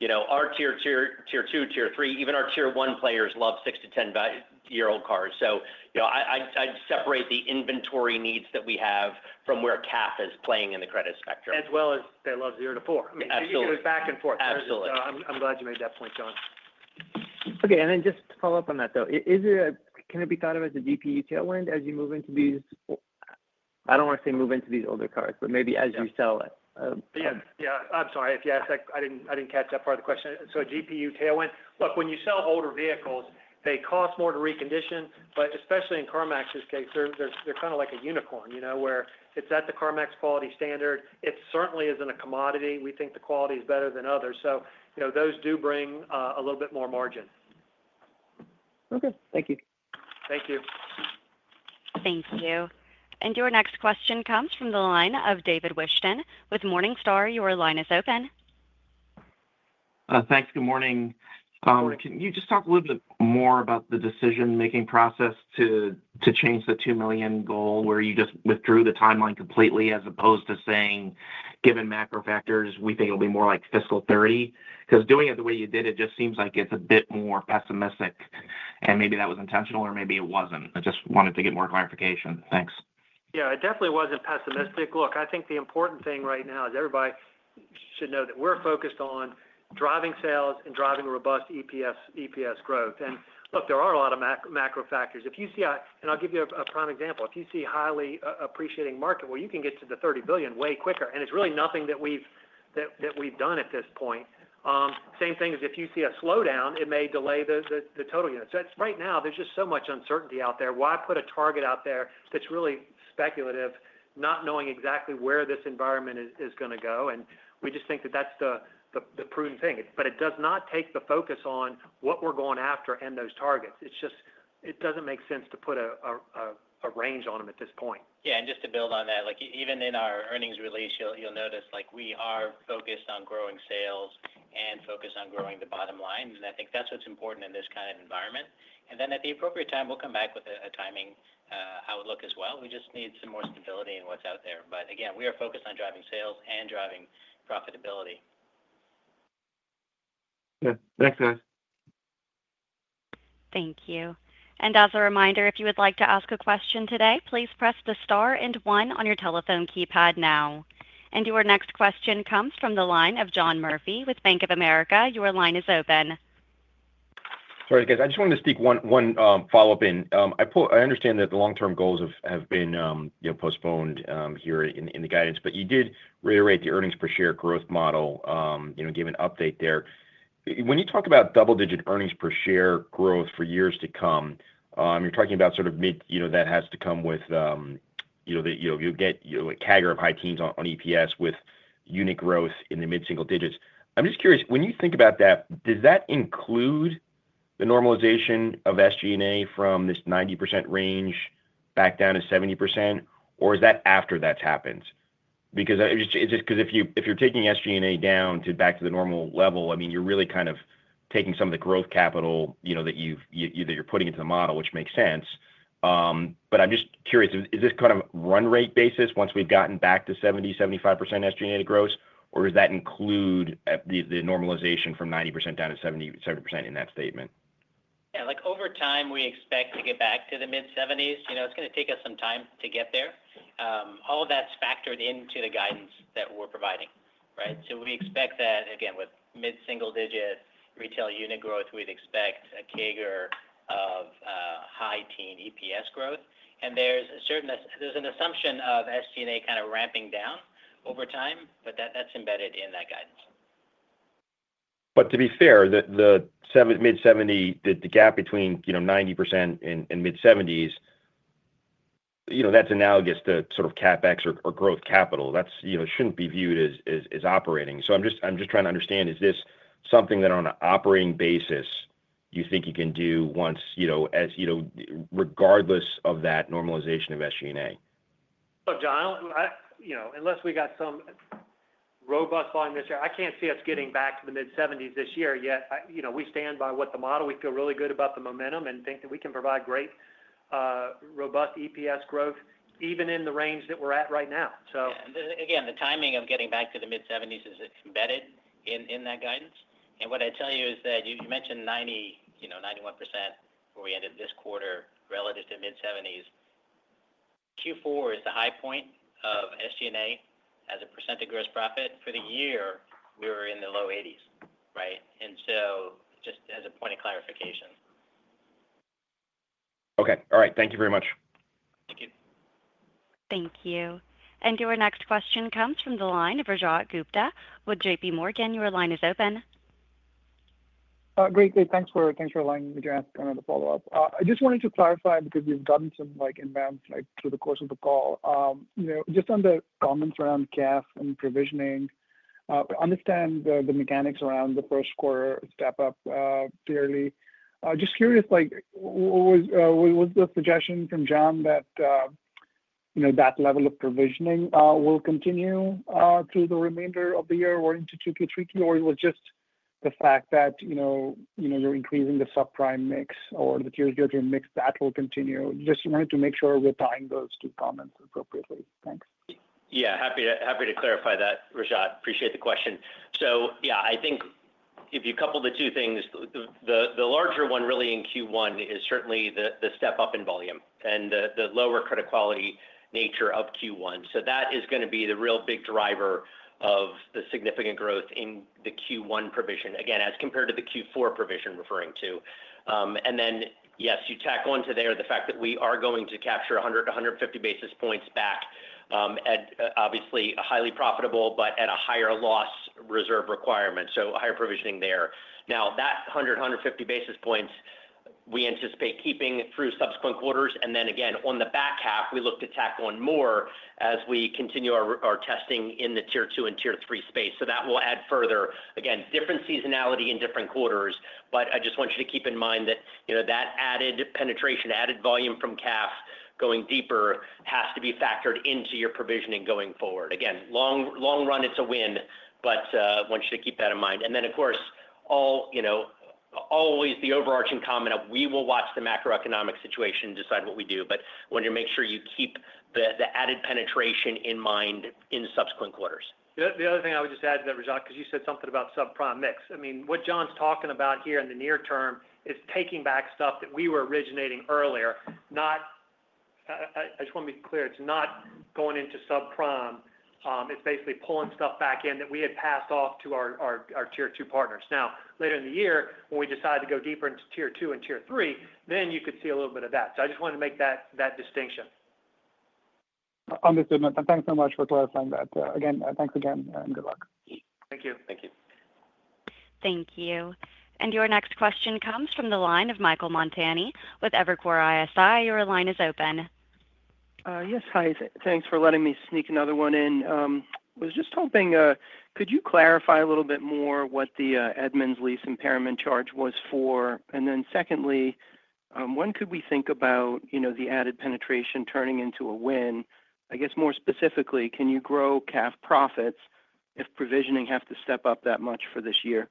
You know, our tier two, tier three, even our tier one players love 6-10-year-old cars. So, you know, I'd separate the inventory needs that we have from where CAF is playing in the credit spectrum. As well as they love zero to four. Absolutely. It goes back and forth. Absolutely. I'm glad you made that point, Jon. Okay. Just to follow up on that, though, is there, can it be thought of as a GPU tailwind as you move into these, I do not want to say move into these older cars, but maybe as you sell it? Yeah. Yeah. I'm sorry. If you asked, I didn't catch that part of the question. So a GPU tailwind. Look, when you sell older vehicles, they cost more to recondition, but especially in CarMax's case, they're kind of like a unicorn, you know, where it's at the CarMax quality standard. It certainly isn't a commodity. We think the quality is better than others. You know, those do bring a little bit more margin. Okay. Thank you. Thank you. Thank you. Your next question comes from the line of David Whiston with Morningstar. Your line is open. Thanks. Good morning. Can you just talk a little bit more about the decision-making process to change the 2 million goal where you just withdrew the timeline completely as opposed to saying, "Given macro factors, we think it'll be more like fiscal 2030"? Because doing it the way you did, it just seems like it's a bit more pessimistic. Maybe that was intentional or maybe it wasn't. I just wanted to get more clarification. Thanks. Yeah. It definitely wasn't pessimistic. Look, I think the important thing right now is everybody should know that we're focused on driving sales and driving robust EPS growth. Look, there are a lot of macro factors. If you see, and I'll give you a prime example. If you see highly appreciating market, you can get to the $30 billion way quicker. It's really nothing that we've done at this point. Same thing as if you see a slowdown, it may delay the total unit. Right now, there's just so much uncertainty out there. Why put a target out there that's really speculative, not knowing exactly where this environment is going to go? We just think that that's the prudent thing. It does not take the focus on what we're going after and those targets. It's just, it doesn't make sense to put a range on them at this point. Yeah. And just to build on that, like even in our earnings release, you'll notice like we are focused on growing sales and focused on growing the bottom line. I think that's what's important in this kind of environment. At the appropriate time, we'll come back with a timing outlook as well. We just need some more stability in what's out there. Again, we are focused on driving sales and driving profitability. Yeah. Thanks, guys. Thank you. As a reminder, if you would like to ask a question today, please press the star and one on your telephone keypad now. Your next question comes from the line of John Murphy with Bank of America. Your line is open. Sorry, guys. I just wanted to sneak one follow-up in. I understand that the long-term goals have been postponed here in the guidance, but you did reiterate the earnings per share growth model, you know, give an update there. When you talk about double-digit earnings per share growth for years to come, you're talking about sort of mid, you know, that has to come with, you know, you'll get a CAGR of high teens on EPS with unit growth in the mid-single digits. I'm just curious, when you think about that, does that include the normalization of SG&A from this 90% range back down to 70%, or is that after that's happened? Because it's just because if you're taking SG&A down to back to the normal level, I mean, you're really kind of taking some of the growth capital, you know, that you're putting into the model, which makes sense. I'm just curious, is this kind of run rate basis once we've gotten back to 70-75% SG&A to gross, or does that include the normalization from 90% down to 70% in that statement? Yeah. Like over time, we expect to get back to the mid-70s. You know, it's going to take us some time to get there. All of that's factored into the guidance that we're providing, right? We expect that, again, with mid-single digit retail unit growth, we'd expect a CAGR of high teen EPS growth. There's an assumption of SG&A kind of ramping down over time, but that's embedded in that guidance. To be fair, the mid-70, the gap between, you know, 90% and mid-70s, you know, that's analogous to sort of CapEx or growth capital. That's, you know, shouldn't be viewed as operating. I'm just trying to understand, is this something that on an operating basis you think you can do once, you know, regardless of that normalization of SG&A? Look, John, you know, unless we got some robust volume this year, I can't see us getting back to the mid-70s this year yet. You know, we stand by what the model. We feel really good about the momentum and think that we can provide great robust EPS growth even in the range that we're at right now. Yeah. Again, the timing of getting back to the mid-70s is embedded in that guidance. What I tell you is that you mentioned 90, you know, 91% where we ended this quarter relative to mid-70s. Q4 is the high point of SG&A as a percent of gross profit. For the year, we were in the low 80s, right? Just as a point of clarification. Okay. All right. Thank you very much. Thank you. Thank you. Your next question comes from the line of Rajat Gupta with JPMorgan Chase & Co. Your line is open. Great. Thanks for aligning with your answer. I have a follow-up. I just wanted to clarify because we've gotten some like advance like through the course of the call, you know, just on the comments around CAF and provisioning. I understand the mechanics around the first quarter step up fairly. Just curious, like was the suggestion from Jon that, you know, that level of provisioning will continue through the remainder of the year or into Q2, Q3, or it was just the fact that, you know, you're increasing the subprime mix or the tier zero tier mix that will continue? Just wanted to make sure we're tying those two comments appropriately. Thanks. Yeah. Happy to clarify that, Rajat. Appreciate the question. Yeah, I think if you couple the two things, the larger one really in Q1 is certainly the step up in volume and the lower credit quality nature of Q1. That is going to be the real big driver of the significant growth in the Q1 provision, again, as compared to the Q4 provision referring to. Yes, you tack on to there the fact that we are going to capture 100-150 basis points back at obviously a highly profitable, but at a higher loss reserve requirement. So higher provisioning there. Now that 100-150 basis points we anticipate keeping through subsequent quarters. Again, on the back half, we look to tack on more as we continue our testing in the tier two and tier three space. That will add further, again, different seasonality in different quarters. I just want you to keep in mind that, you know, that added penetration, added volume from CAF going deeper has to be factored into your provisioning going forward. Again, long run, it's a win, but I want you to keep that in mind. Of course, always the overarching comment of we will watch the macroeconomic situation and decide what we do, but I want you to make sure you keep the added penetration in mind in subsequent quarters. The other thing I would just add to that, Rajat, because you said something about subprime mix. I mean, what Jon's talking about here in the near term is taking back stuff that we were originating earlier. Not, I just want to be clear, it's not going into subprime. It's basically pulling stuff back in that we had passed off to our tier two partners. Now, later in the year, when we decide to go deeper into tier two and tier three, then you could see a little bit of that. I just wanted to make that distinction. Understood. Thanks so much for clarifying that. Thanks again and good luck. Thank you. Thank you. Thank you. Your next question comes from the line of Michael Montani with Evercore ISI. Your line is open. Yes, hi. Thanks for letting me sneak another one in. I was just hoping, could you clarify a little bit more what the Edmunds lease impairment charge was for? Then secondly, when could we think about, you know, the added penetration turning into a win? I guess more specifically, can you grow CAF profits if provisioning has to step up that much for this year?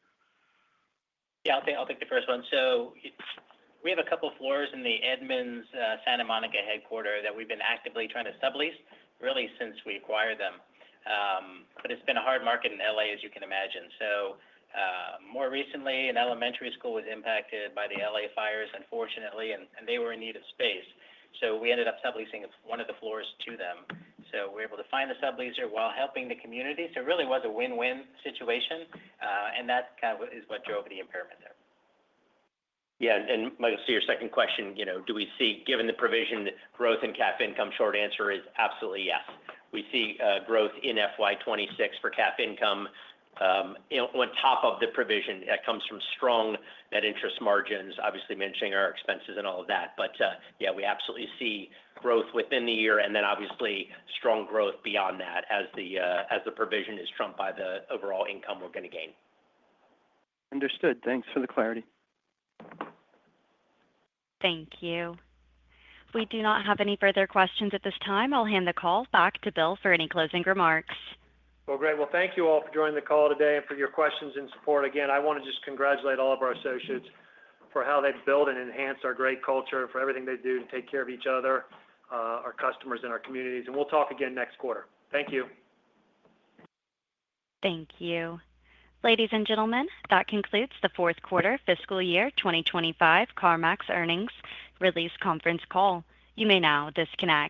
Yeah. I'll take the first one. We have a couple of floors in the Edmunds Santa Monica headquarter that we've been actively trying to sublease really since we acquired them. It has been a hard market in L.A, as you can imagine. More recently, an elementary school was impacted by the L.A. fires, unfortunately, and they were in need of space. We ended up subleasing one of the floors to them. We were able to find a subleaser while helping the community. It really was a win-win situation. That kind of is what drove the impairment there. Yeah. I see your second question, you know, do we see, given the provision growth in cap income, short answer is absolutely yes. We see growth in FY '26 for cap income on top of the provision that comes from strong net interest margins, obviously managing our expenses and all of that. Yeah, we absolutely see growth within the year and then obviously strong growth beyond that as the provision is trumped by the overall income we're going to gain. Understood. Thanks for the clarity. Thank you. We do not have any further questions at this time. I'll hand the call back to Bill for any closing remarks. Thank you all for joining the call today and for your questions and support. Again, I want to just congratulate all of our associates for how they have built and enhanced our great culture and for everything they do to take care of each other, our customers, and our communities. We will talk again next quarter. Thank you. Thank you. Ladies and gentlemen, that concludes the fourth quarter fiscal year 2025 CarMax earnings release conference call. You may now disconnect.